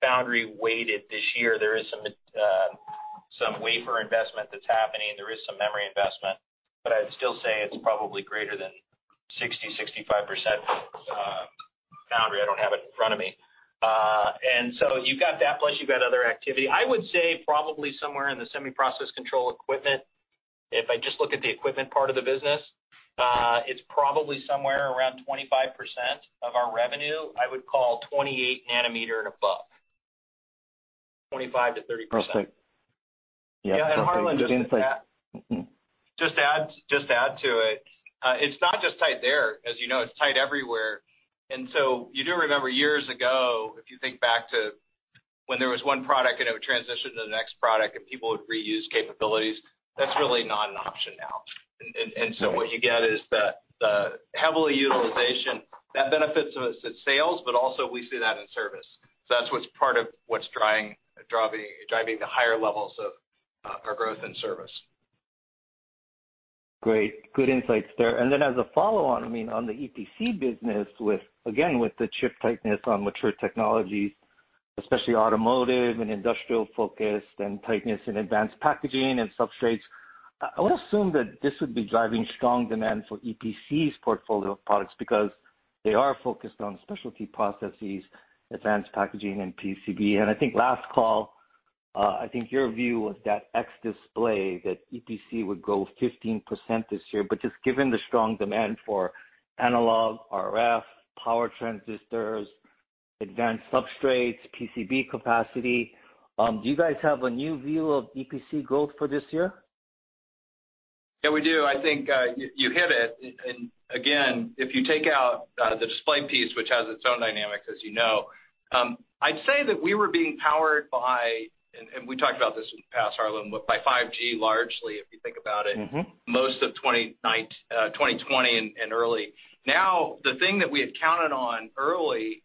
foundry weighted this year. There is some wafer investment that's happening. There is some memory investment. I'd still say it's probably greater than 60%-65% foundry. I don't have it in front of me. You've got that, plus you've got other activity. I would say probably somewhere in the Semiconductor Process Control equipment, if I just look at the equipment part of the business, it's probably somewhere around 25% of our revenue, I would call 28 nm and above. 25%-30%. Perfect. Yeah. Yeah, Harlan, just to add to it's not just tight there, as you know, it's tight everywhere. You do remember years ago, if you think back to when there was one product and it would transition to the next product and people would reuse capabilities, that's really not an option now. What you get is the heavy utilization. That benefits us at sales, but also we see that in service. That's what's part of what's driving the higher levels of our growth in service. Great. Good insights there. As a follow-on, on the EPC business, again, with the chip tightness on mature technologies, especially automotive and industrial-focused, and tightness in advanced packaging and substrates, I would assume that this would be driving strong demand for EPC's portfolio of products because they are focused on specialty processes, advanced packaging, and PCB. I think last call, your view was that ex-display, that EPC would grow 15% this year, but just given the strong demand for analog, RF, power transistors, advanced substrates, PCB capacity, do you guys have a new view of EPC growth for this year? Yeah, we do. I think you hit it. Again, if you take out the display piece, which has its own dynamics, as you know, I'd say that we were being powered by, and we talked about this in the past, Harlan, by 5G largely, if you think about it most of 2020 and early. Now, the thing that we had counted on early,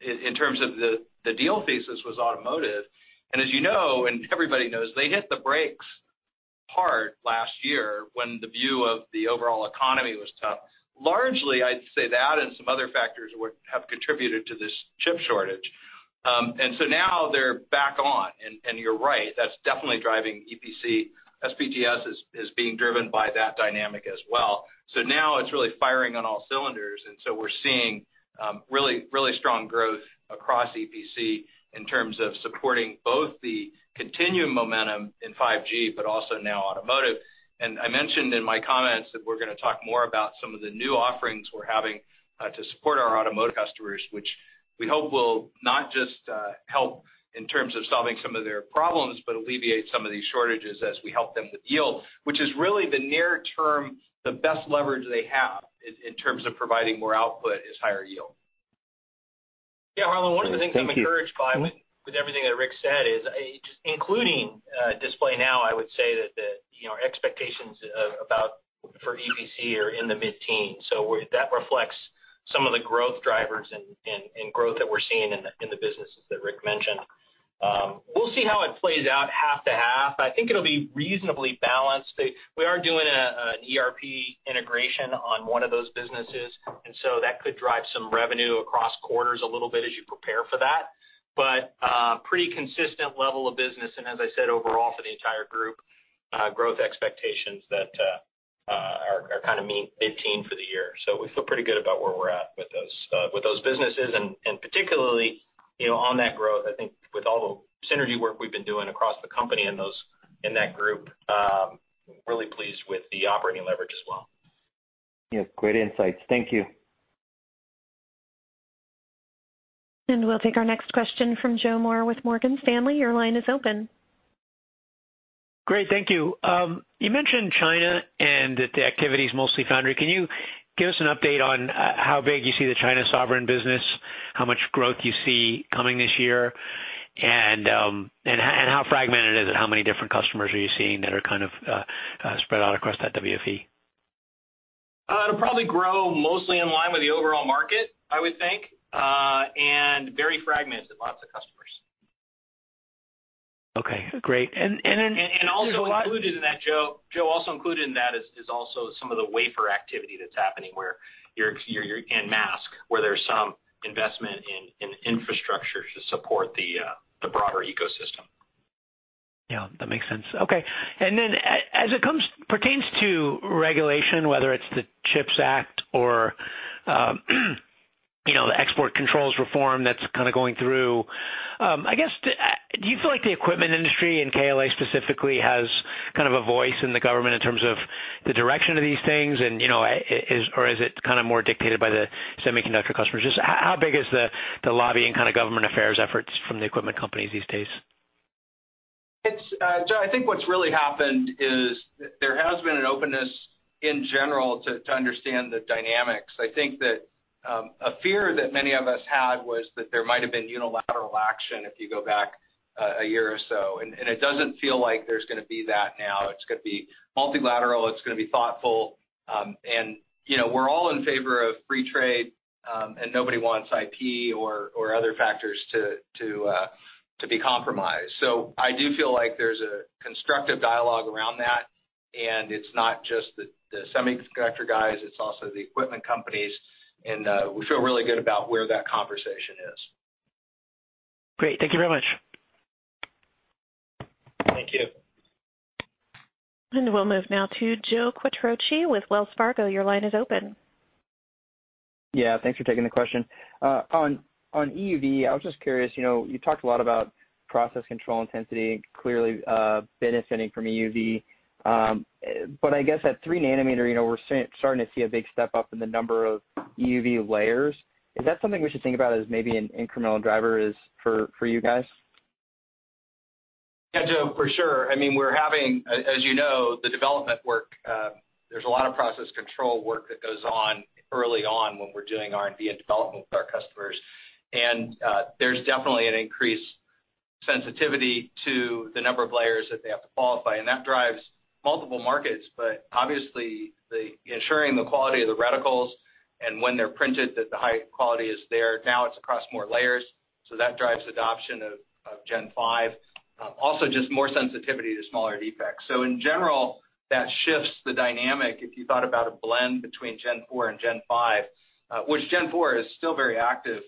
in terms of the deal thesis, was automotive. As you know, and everybody knows, they hit the brakes hard last year when the view of the overall economy was tough. Largely, I'd say that and some other factors have contributed to this chip shortage. Now they're back on, and you're right, that's definitely driving EPC. SPTS is being driven by that dynamic as well. Now it's really firing on all cylinders, and so we're seeing really strong growth across EPC in terms of supporting both the continuing momentum in 5G, but also now automotive. I mentioned in my comments that we're going to talk more about some of the new offerings we're having to support our automotive customers, which we hope will not just help in terms of solving some of their problems, but alleviate some of these shortages as we help them with yield, which is really the near term, the best leverage they have in terms of providing more output is higher yield. Yeah, Harlan, one of the things I'm encouraged by with everything that Rick said is, including display now, I would say that our expectations for EPC are in the mid-teens. That reflects some of the growth drivers and growth that we're seeing in the businesses that Rick mentioned. We'll see how it plays out half to half. I think it'll be reasonably balanced. We are doing an ERP integration on one of those businesses, and so that could drive some revenue across quarters a little bit as you prepare for that. Pretty consistent level of business, and as I said, overall for the entire group, growth expectations that are kind of mid-teen for the year. We feel pretty good about where we're at with those businesses and particularly, on that growth, I think with all the synergy work we've been doing across the company in that group, really pleased with the operating leverage as well. Great insights. Thank you. We'll take our next question from Joe Moore with Morgan Stanley. Your line is open. Great, thank you. You mentioned China and that the activity is mostly foundry. Can you give us an update on how big you see the China sovereign business, how much growth you see coming this year, and how fragmented is it? How many different customers are you seeing that are kind of spread out across that WFE? It'll probably grow mostly in line with the overall market, I would think, and very fragmented, lots of customers. Okay, great. then- Also included in that, Joe, also included in that is also some of the wafer activity that's happening, and mask, where there's some investment in infrastructure to support the broader ecosystem. Yeah, that makes sense. Okay. As it pertains to regulation, whether it's the CHIPS Act or the export controls reform that's kind of going through, I guess, do you feel like the equipment industry and KLA specifically has kind of a voice in the government in terms of the direction of these things, or is it kind of more dictated by the semiconductor customers? Just how big is the lobbying kind of government affairs efforts from the equipment companies these days? Joe, I think what's really happened is there has been an openness in general to understand the dynamics. I think that a fear that many of us had was that there might have been unilateral action if you go back a year or so, and it doesn't feel like there's going to be that now. It's going to be multilateral, it's going to be thoughtful. We're all in favor of free trade, and nobody wants IP or other factors to be compromised. I do feel like there's a constructive dialogue around that, and it's not just the semiconductor guys, it's also the equipment companies, and we feel really good about where that conversation is. Great. Thank you very much. Thank you. We'll move now to Joe Quatrochi with Wells Fargo. Your line is open. Yeah, thanks for taking the question. On EUV, I was just curious, you talked a lot about process control intensity clearly benefiting from EUV. I guess at 3 nm, we're starting to see a big step up in the number of EUV layers. Is that something we should think about as maybe an incremental driver for you guys? Yeah, Joe, for sure. We're having, as you know, the development work, there's a lot of process control work that goes on early on when we're doing R&D and development with our customers. There's definitely an increased sensitivity to the number of layers that they have to qualify, and that drives multiple markets, but obviously ensuring the quality of the reticles and when they're printed that the high quality is there. Now it's across more layers, that drives adoption of Gen 5. Also just more sensitivity to smaller defects. In general, that shifts the dynamic. If you thought about a blend between Gen 4 and Gen 5, which Gen 4 is still very active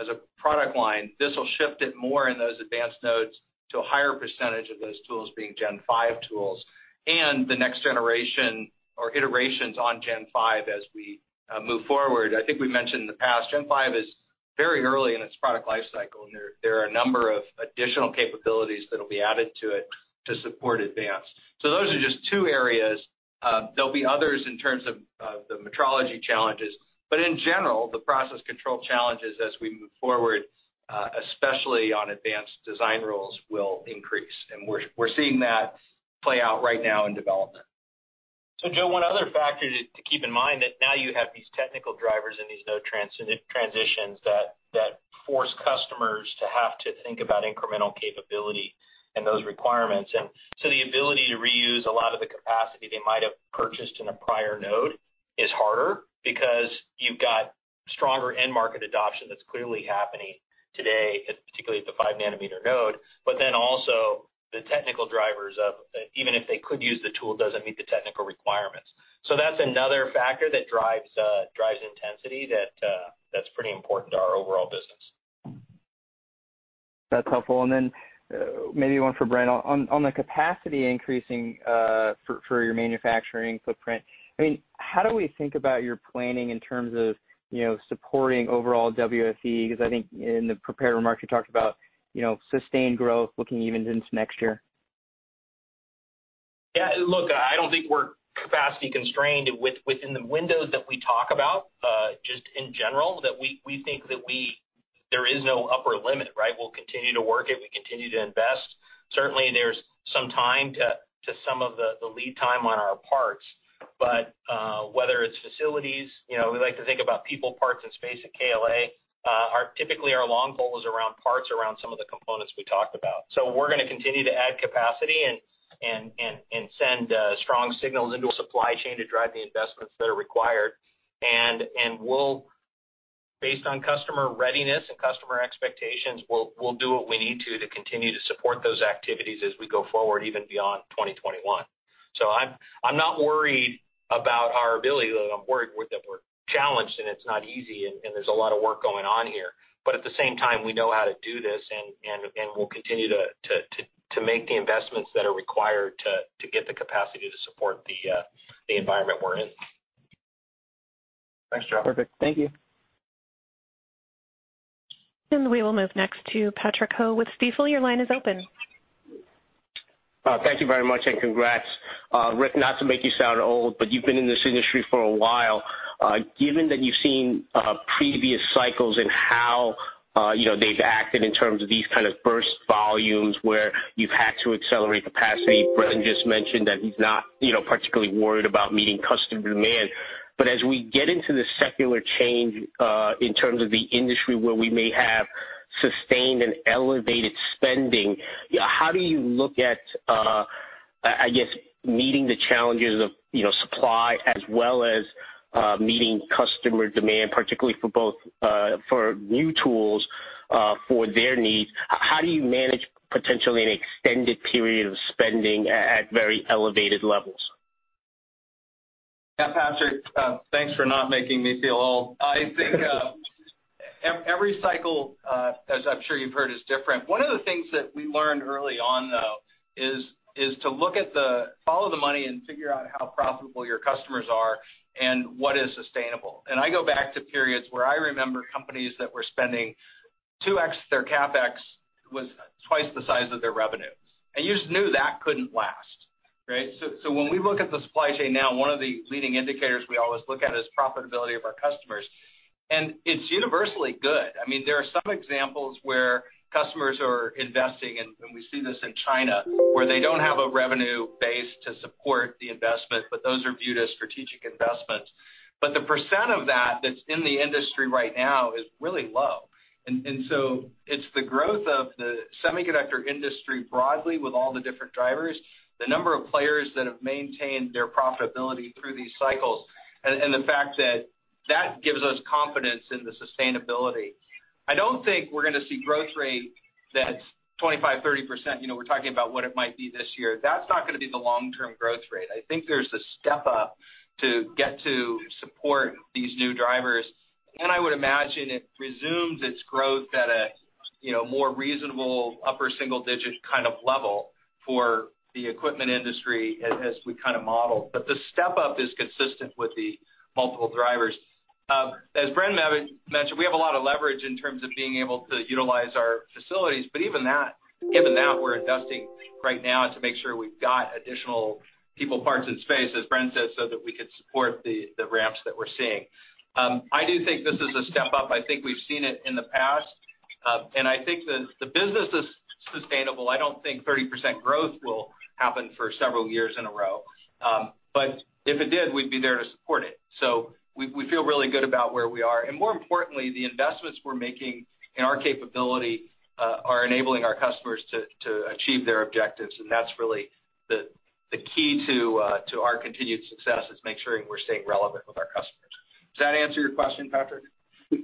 as a product line, this will shift it more in those advanced nodes to a higher percentage of those tools being Gen 5 tools and the next generation or iterations on Gen 5 as we move forward. I think we mentioned in the past, Gen 5 is very early in its product life cycle, and there are a number of additional capabilities that'll be added to it to support advance. Those are just two areas. In general, the process control challenges as we move forward, especially on advanced design rules, will increase. We're seeing that play out right now in development. Joe, one other factor to keep in mind that now you have these technical drivers and these node transitions that force customers to have to think about incremental capability and those requirements. the ability to reuse a lot of the capacity they might have purchased in a prior node is harder because you've got stronger end market adoption that's clearly happening today, particularly at the 5 nm node. also the technical drivers of even if they could use the tool, does it meet the technical requirements? that's another factor that drives intensity that's pretty important to our overall business. That's helpful. Then maybe one for Bren. On the capacity increasing for your manufacturing footprint, how do we think about your planning in terms of supporting overall WFE? I think in the prepared remarks, you talked about sustained growth looking even into next year. Yeah, look, I don't think we're capacity constrained within the windows that we talk about. Just in general, that we think that there is no upper limit, right? We'll continue to work it, we continue to invest. Certainly, there's some time to some of the lead time on our parts. Whether it's facilities, we like to think about people, parts, and space at KLA. Typically, our long goal is around parts, around some of the components we talked about. We're going to continue to add capacity and send strong signals into a supply chain to drive the investments that are required. Based on customer readiness and customer expectations, we'll do what we need to continue to support those activities as we go forward, even beyond 2021. I'm not worried about our ability, though I'm worried that we're challenged and it's not easy, and there's a lot of work going on here. At the same time, we know how to do this, and we'll continue to make the investments that are required to get the capacity to support the environment we're in. Thanks, Joe. Perfect. Thank you. We will move next to Patrick Ho with Stifel. Your line is open. Thank you very much, and congrats. Rick, not to make you sound old, but you've been in this industry for a while. Given that you've seen previous cycles and how they've acted in terms of these kind of burst volumes where you've had to accelerate capacity. Bren just mentioned that he's not particularly worried about meeting customer demand. As we get into the secular change, in terms of the industry, where we may have sustained and elevated spending, how do you look at, I guess, meeting the challenges of supply as well as meeting customer demand, particularly for both, for new tools, for their needs. How do you manage potentially an extended period of spending at very elevated levels? Yeah, Patrick, thanks for not making me feel old. I think every cycle, as I'm sure you've heard, is different. One of the things that we learned early on, though, is to follow the money and figure out how profitable your customers are and what is sustainable. I go back to periods where I remember companies that were spending 2x, their CapEx was twice the size of their revenue, and you just knew that couldn't last. Right? When we look at the supply chain now, one of the leading indicators we always look at is profitability of our customers, and it's universally good. There are some examples where customers are investing, and we see this in China, where they don't have a revenue base to support the investment, but those are viewed as strategic investments. The percent of that that's in the industry right now is really low. It's the growth of the semiconductor industry broadly with all the different drivers, the number of players that have maintained their profitability through these cycles, and the fact that that gives us confidence in the sustainability. I don't think we're going to see growth rate that's 25%, 30%. We're talking about what it might be this year. That's not going to be the long-term growth rate. I think there's a step up to get to support these new drivers, and I would imagine it resumes its growth at a more reasonable upper single digit kind of level for the equipment industry as we kind of model. The step up is consistent with the multiple drivers. As Bren mentioned, we have a lot of leverage in terms of being able to utilize our facilities, but even that, given that we're investing right now to make sure we've got additional people, parts, and space, as Bren said, so that we could support the ramps that we're seeing. I do think this is a step up. I think we've seen it in the past, and I think the business is sustainable. I don't think 30% growth will happen for several years in a row. If it did, we'd be there to support it. We feel really good about where we are, and more importantly, the investments we're making in our capability are enabling our customers to achieve their objectives, and that's really the key to our continued success, is making sure we're staying relevant with our customers. Does that answer your question, Patrick?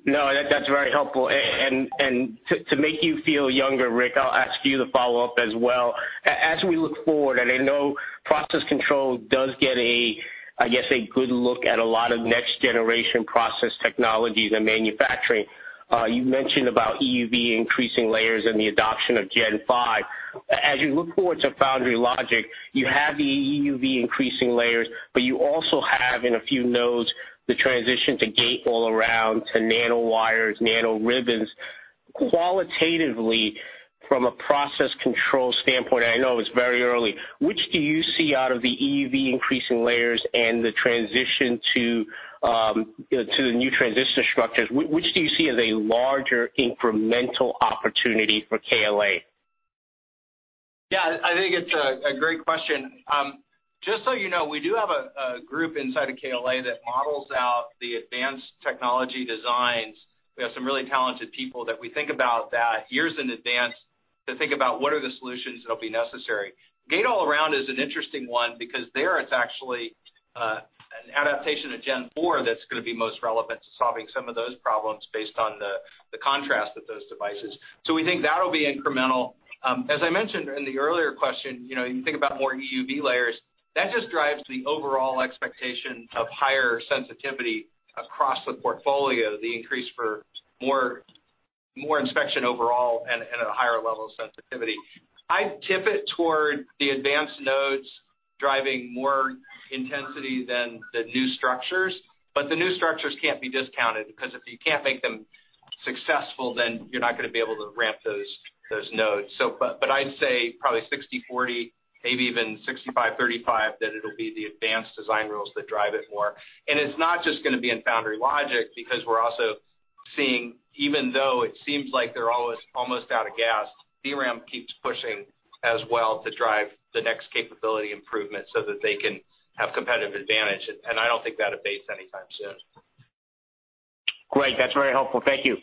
No, that's very helpful. To make you feel younger, Rick, I'll ask you the follow-up as well. As we look forward, and I know process control does get a, I guess, a good look at a lot of next generation process technologies and manufacturing. You mentioned about EUV increasing layers and the adoption of Gen 5. As you look forward to foundry logic, you have the EUV increasing layers, but you also have, in a few nodes, the transition to gate-all-around, to nanowires, nanoribbons. Qualitatively, from a process control standpoint, and I know it's very early, which do you see out of the EUV increasing layers and the transition to the new transition structures, which do you see as a larger incremental opportunity for KLA? Yeah, I think it's a great question. Just so you know, we do have a group inside of KLA that models out the advanced technology designs. We have some really talented people that we think about that years in advance to think about what are the solutions that'll be necessary. Gate-all-around is an interesting one because there it's actually an adaptation to Gen 4 that's going to be most relevant to solving some of those problems based on the contrast of those devices. We think that'll be incremental. As I mentioned in the earlier question, you think about more EUV layers, that just drives the overall expectation of higher sensitivity across the portfolio, the increase for more inspection overall and at a higher level of sensitivity. I'd tip it toward the advanced nodes driving more intensity than the new structures, but the new structures can't be discounted because if you can't make them successful, then you're not going to be able to ramp those nodes. I'd say probably 60/40, maybe even 65/35, that it'll be the advanced design rules that drive it more. It's not just going to be in foundry logic because we're also seeing, even though it seems like they're almost out of gas, DRAM keeps pushing as well to drive the next capability improvement so that they can have competitive advantage. I don't think that abates anytime soon. Great. That's very helpful. Thank you.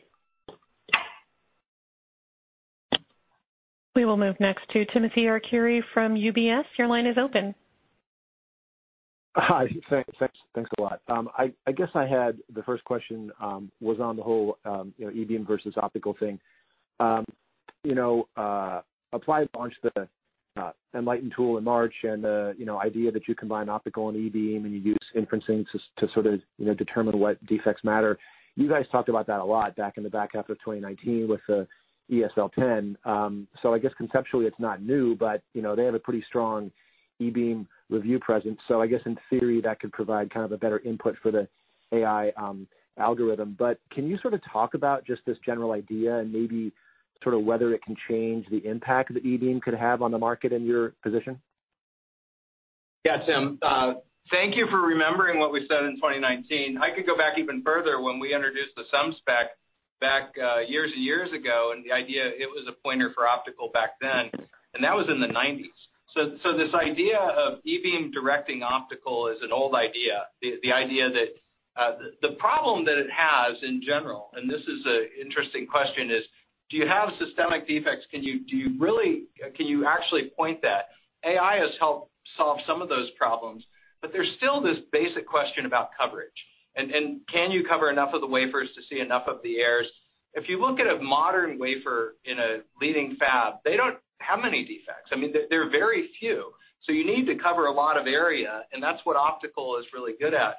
We will move next to Timothy Arcuri from UBS. Your line is open. Hi. Thanks a lot. I guess I had the first question, was on the whole e-beam versus optical thing. Applied launched the Enlight tool in March, and the idea that you combine optical and e-beam and you use inferencing to sort of determine what defects matter. You guys talked about that a lot back in the back half of 2019 with the eSL10. I guess conceptually it's not new, but they have a pretty strong e-beam review presence. I guess in theory, that could provide kind of a better input for the AI algorithm. Can you sort of talk about just this general idea and maybe sort of whether it can change the impact that e-beam could have on the market and your position? Yeah, Tim. Thank you for remembering what we said in 2019. I could go back even further when we introduced the SEMSpec back years ago, and the idea it was a pointer for optical back then, and that was in the 1990s. This idea of e-beam directing optical is an old idea. The problem that it has in general, and this is an interesting question, is do you have systemic defects? Can you actually point that? AI has helped solve some of those problems, but there's still this basic question about coverage, and can you cover enough of the wafers to see enough of the errors? If you look at a modern wafer in a leading fab, they don't have many defects. I mean, there are very few. You need to cover a lot of area, and that's what optical is really good at.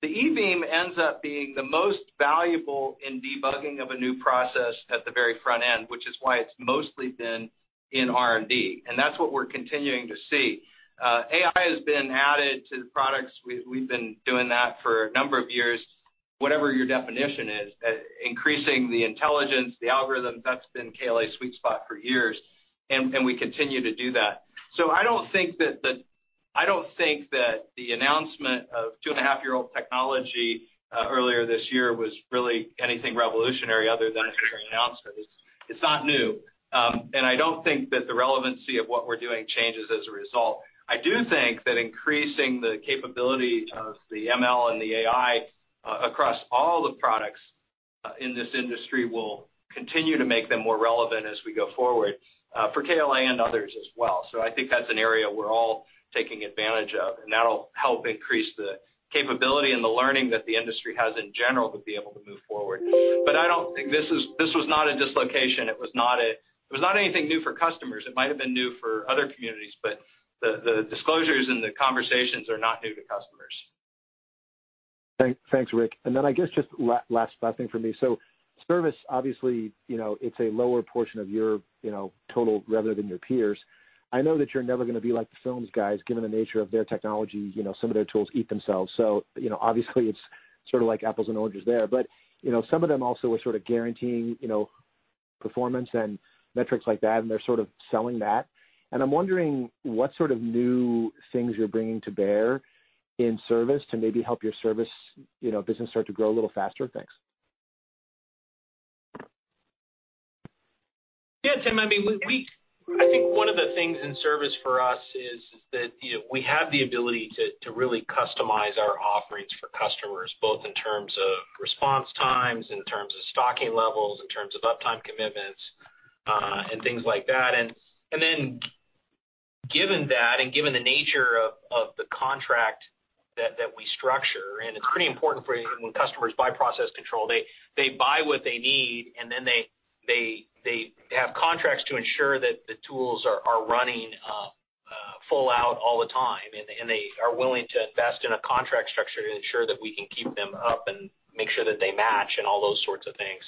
The e-beam ends up being the most valuable in debugging of a new process at the very front end, which is why it's mostly been in R&D, and that's what we're continuing to see. AI has been added to the products. We've been doing that for a number of years. Whatever your definition is, increasing the intelligence, the algorithms, that's been KLA's sweet spot for years, and we continue to do that. I don't think that the announcement of two and half-year-old technology earlier this year was really anything revolutionary other than it's being announced. It's not new. I don't think that the relevancy of what we're doing changes as a result. I do think that increasing the capability of the ML and the AI across all the products in this industry will continue to make them more relevant as we go forward, for KLA and others as well. I think that's an area we're all taking advantage of, and that'll help increase the capability and the learning that the industry has in general to be able to move forward. I don't think this was not a dislocation. It was not anything new for customers. It might have been new for other communities, but the disclosures and the conversations are not new to customers. Thanks, Rick. I guess just last thing for me. Service, obviously, it's a lower portion of your total revenue than your peers. I know that you're never going to be like the films guys, given the nature of their technology. Some of their tools eat themselves. Obviously it's sort of like apples and oranges there, but some of them also are sort of guaranteeing performance and metrics like that, and they're sort of selling that. I'm wondering what sort of new things you're bringing to bear in service to maybe help your service business start to grow a little faster. Thanks. Yeah, Tim, I think one of the things in service for us is that we have the ability to really customize our offerings for customers, both in terms of response times, in terms of stocking levels, in terms of uptime commitments, and things like that. given that and given the nature of the contract that we structure, and it's pretty important for when customers buy process control, they buy what they need, and then they have contracts to ensure that the tools are running full out all the time, and they are willing to invest in a contract structure to ensure that we can keep them up and make sure that they match and all those sorts of things.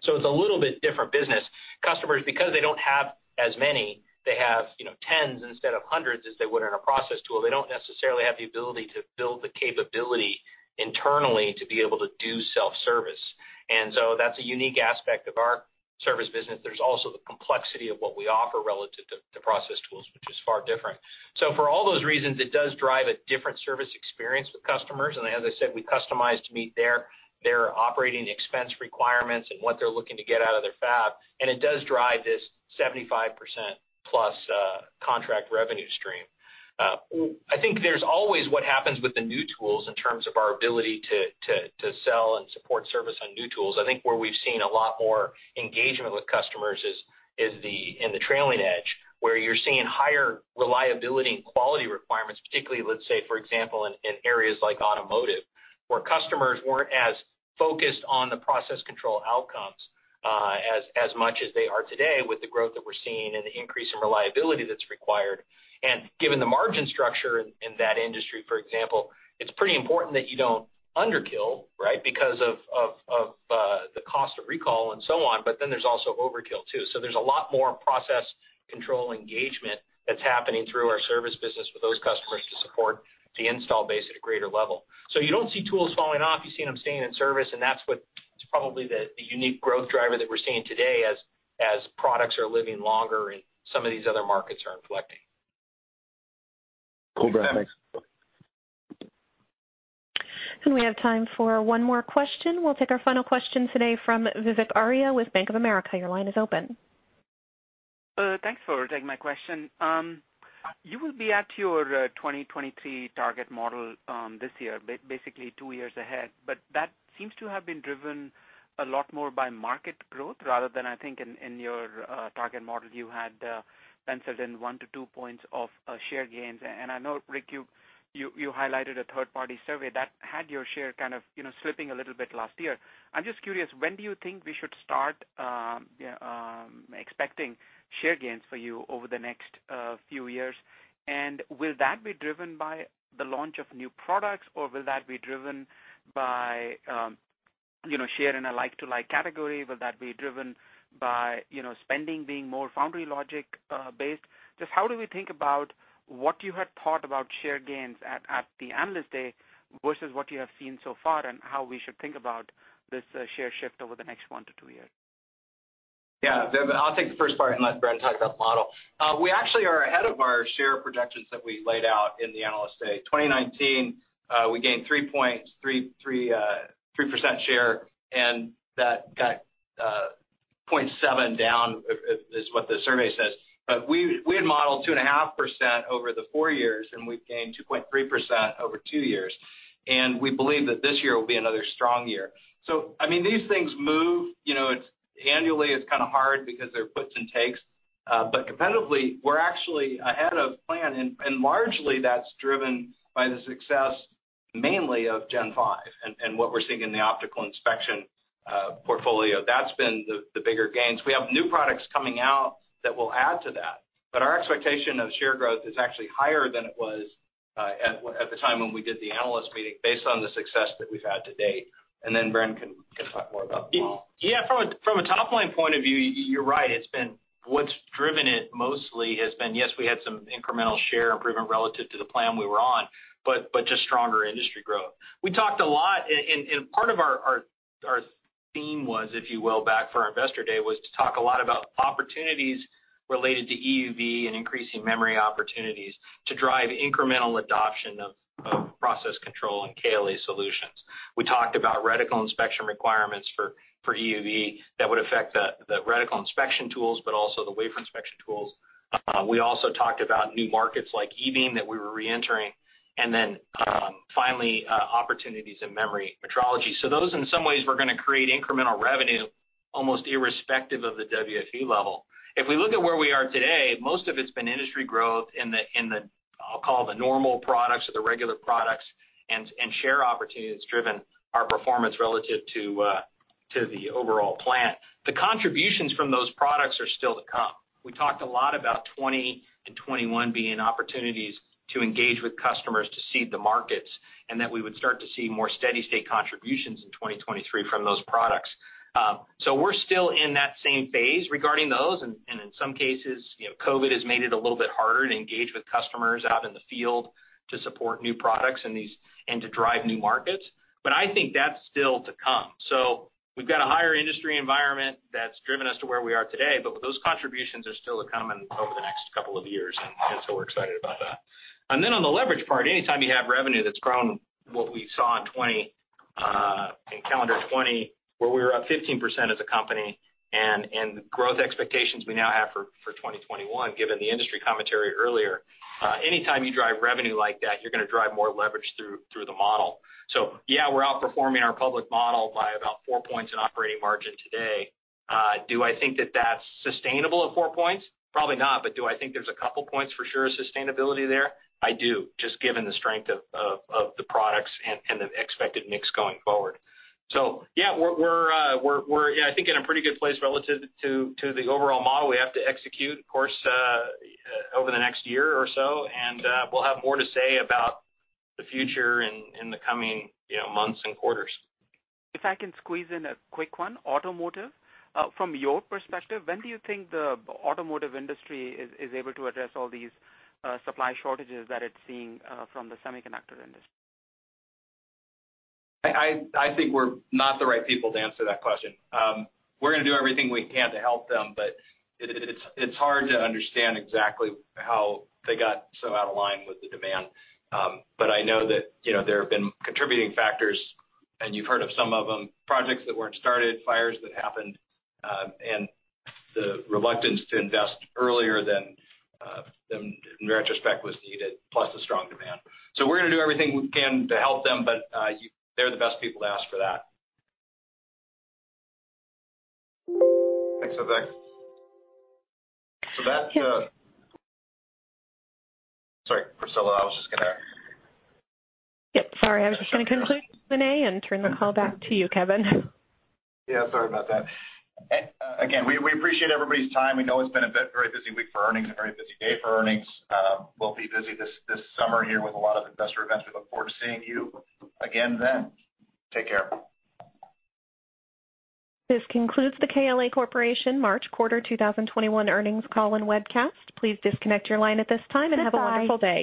it's a little bit different business. Customers, because they don't have as many, they have tens instead of hundreds as they would in a process tool. They don't necessarily have the ability to build the capability internally to be able to do self-service. that's a unique aspect of our service business. There's also the complexity of what we offer relative to process tools, which is far different. for all those reasons, it does drive a different service experience with customers. as I said, we customize to meet their operating expense requirements and what they're looking to get out of their fab, and it does drive this 75%+ contract revenue stream. I think there's always what happens with the new tools in terms of our ability to sell and support service on new tools. I think where we've seen a lot more engagement with customers is in the trailing edge, where you're seeing higher reliability and quality requirements, particularly, let's say, for example, in areas like automotive, where customers weren't as focused on the process control outcomes as much as they are today with the growth that we're seeing and the increase in reliability that's required. Given the margin structure in that industry, for example, it's pretty important that you don't under kill, right, because of the cost of recall and so on, but then there's also overkill too. There's a lot more process control engagement that's happening through our service business with those customers to support the install base at a greater level. You don't see tools falling off, you see them staying in service, and that's what is probably the unique growth driver that we're seeing today as products are living longer and some of these other markets are inflecting. Cool graph. Thanks. We have time for one more question. We'll take our final question today from Vivek Arya with Bank of America. Your line is open. Thanks for taking my question. You will be at your 2023 target model this year, basically two years ahead. That seems to have been driven a lot more by market growth rather than I think in your target model, you had penciled in one to two points of share gains. I know, Rick, you highlighted a third-party survey that had your share kind of slipping a little bit last year. I'm just curious, when do you think we should start expecting share gains for you over the next few years? Will that be driven by the launch of new products, or will that be driven by share in a like-to-like category? Will that be driven by spending being more foundry logic based? Just how do we think about what you had thought about share gains at the Analyst Day versus what you have seen so far and how we should think about this share shift over the next one to two years? Yeah. I'll take the first part and let Bren talk about the model. We actually are ahead of our share projections that we laid out in the Analyst Day. 2019, we gained 3% share, and that got 0.7 down, is what the survey says. We had modeled 2.5% over the four years, and we've gained 2.3% over two years. We believe that this year will be another strong year. These things move. Annually, it's kind of hard because there are puts and takes, but competitively, we're actually ahead of plan, and largely that's driven by the success mainly of Gen and what we're seeing in the optical inspection portfolio. That's been the bigger gains. We have new products coming out that will add to that, but our expectation of share growth is actually higher than it was at the time when we did the analyst meeting based on the success that we've had to date. Bren can talk more about the model. Yeah, from a top-line point of view, you're right. What's driven it mostly has been, yes, we had some incremental share improvement relative to the plan we were on, but just stronger industry growth. We talked a lot, and part of our theme was, if you will, back for our Investor Day, was to talk a lot about opportunities related to EUV and increasing memory opportunities to drive incremental adoption of process control and KLA solutions. We talked about reticle inspection requirements for EUV that would affect the reticle inspection tools, but also the wafer inspection tools. We also talked about new markets like e-beam that we were re-entering, and then finally, opportunities in memory metrology. Those, in some ways, were going to create incremental revenue almost irrespective of the WFE level. If we look at where we are today, most of it's been industry growth in the, I'll call the normal products or the regular products, and share opportunities driven our performance relative to the overall plan. The contributions from those products are still to come. We talked a lot about 2020 and 2021 being opportunities to engage with customers to seed the markets, and that we would start to see more steady state contributions in 2023 from those products. We're still in that same phase regarding those, and in some cases, COVID has made it a little bit harder to engage with customers out in the field to support new products and to drive new markets. I think that's still to come. We've got a higher industry environment that's driven us to where we are today, but those contributions are still to come over the next couple of years, and so we're excited about that. On the leverage part, anytime you have revenue that's grown, what we saw in calendar 2020, where we were up 15% as a company, and growth expectations we now have for 2021, given the industry commentary earlier. Anytime you drive revenue like that, you're going to drive more leverage through the model. We're outperforming our public model by about four points in operating margin today. Do I think that that's sustainable at four points? Probably not. do I think there's a couple of points for sure of sustainability there? I do, just given the strength of the products and the expected mix going forward. Yeah, we're I think, in a pretty good place relative to the overall model. We have to execute, of course, over the next year or so, and we'll have more to say about the future in the coming months and quarters. If I can squeeze in a quick one. Automotive. From your perspective, when do you think the automotive industry is able to address all these supply shortages that it's seeing from the semiconductor industry? I think we're not the right people to answer that question. We're going to do everything we can to help them, but it's hard to understand exactly how they got so out of line with the demand. I know that there have been contributing factors, and you've heard of some of them. Projects that weren't started, fires that happened, and the reluctance to invest earlier than in retrospect was needed, plus the strong demand. We're going to do everything we can to help them, but they're the best people to ask for that. Thanks, Vivek. Sorry, Priscilla, I was just going to. Yep, sorry. I was just going to conclude today and turn the call back to you, Kevin. Yeah, sorry about that. Again, we appreciate everybody's time. We know it's been a very busy week for earnings, a very busy day for earnings. We'll be busy this summer here with a lot of investor events. We look forward to seeing you again then. Take care. This concludes the KLA Corporation March quarter 2021 earnings call and webcast. Please disconnect your line at this time, and have a wonderful day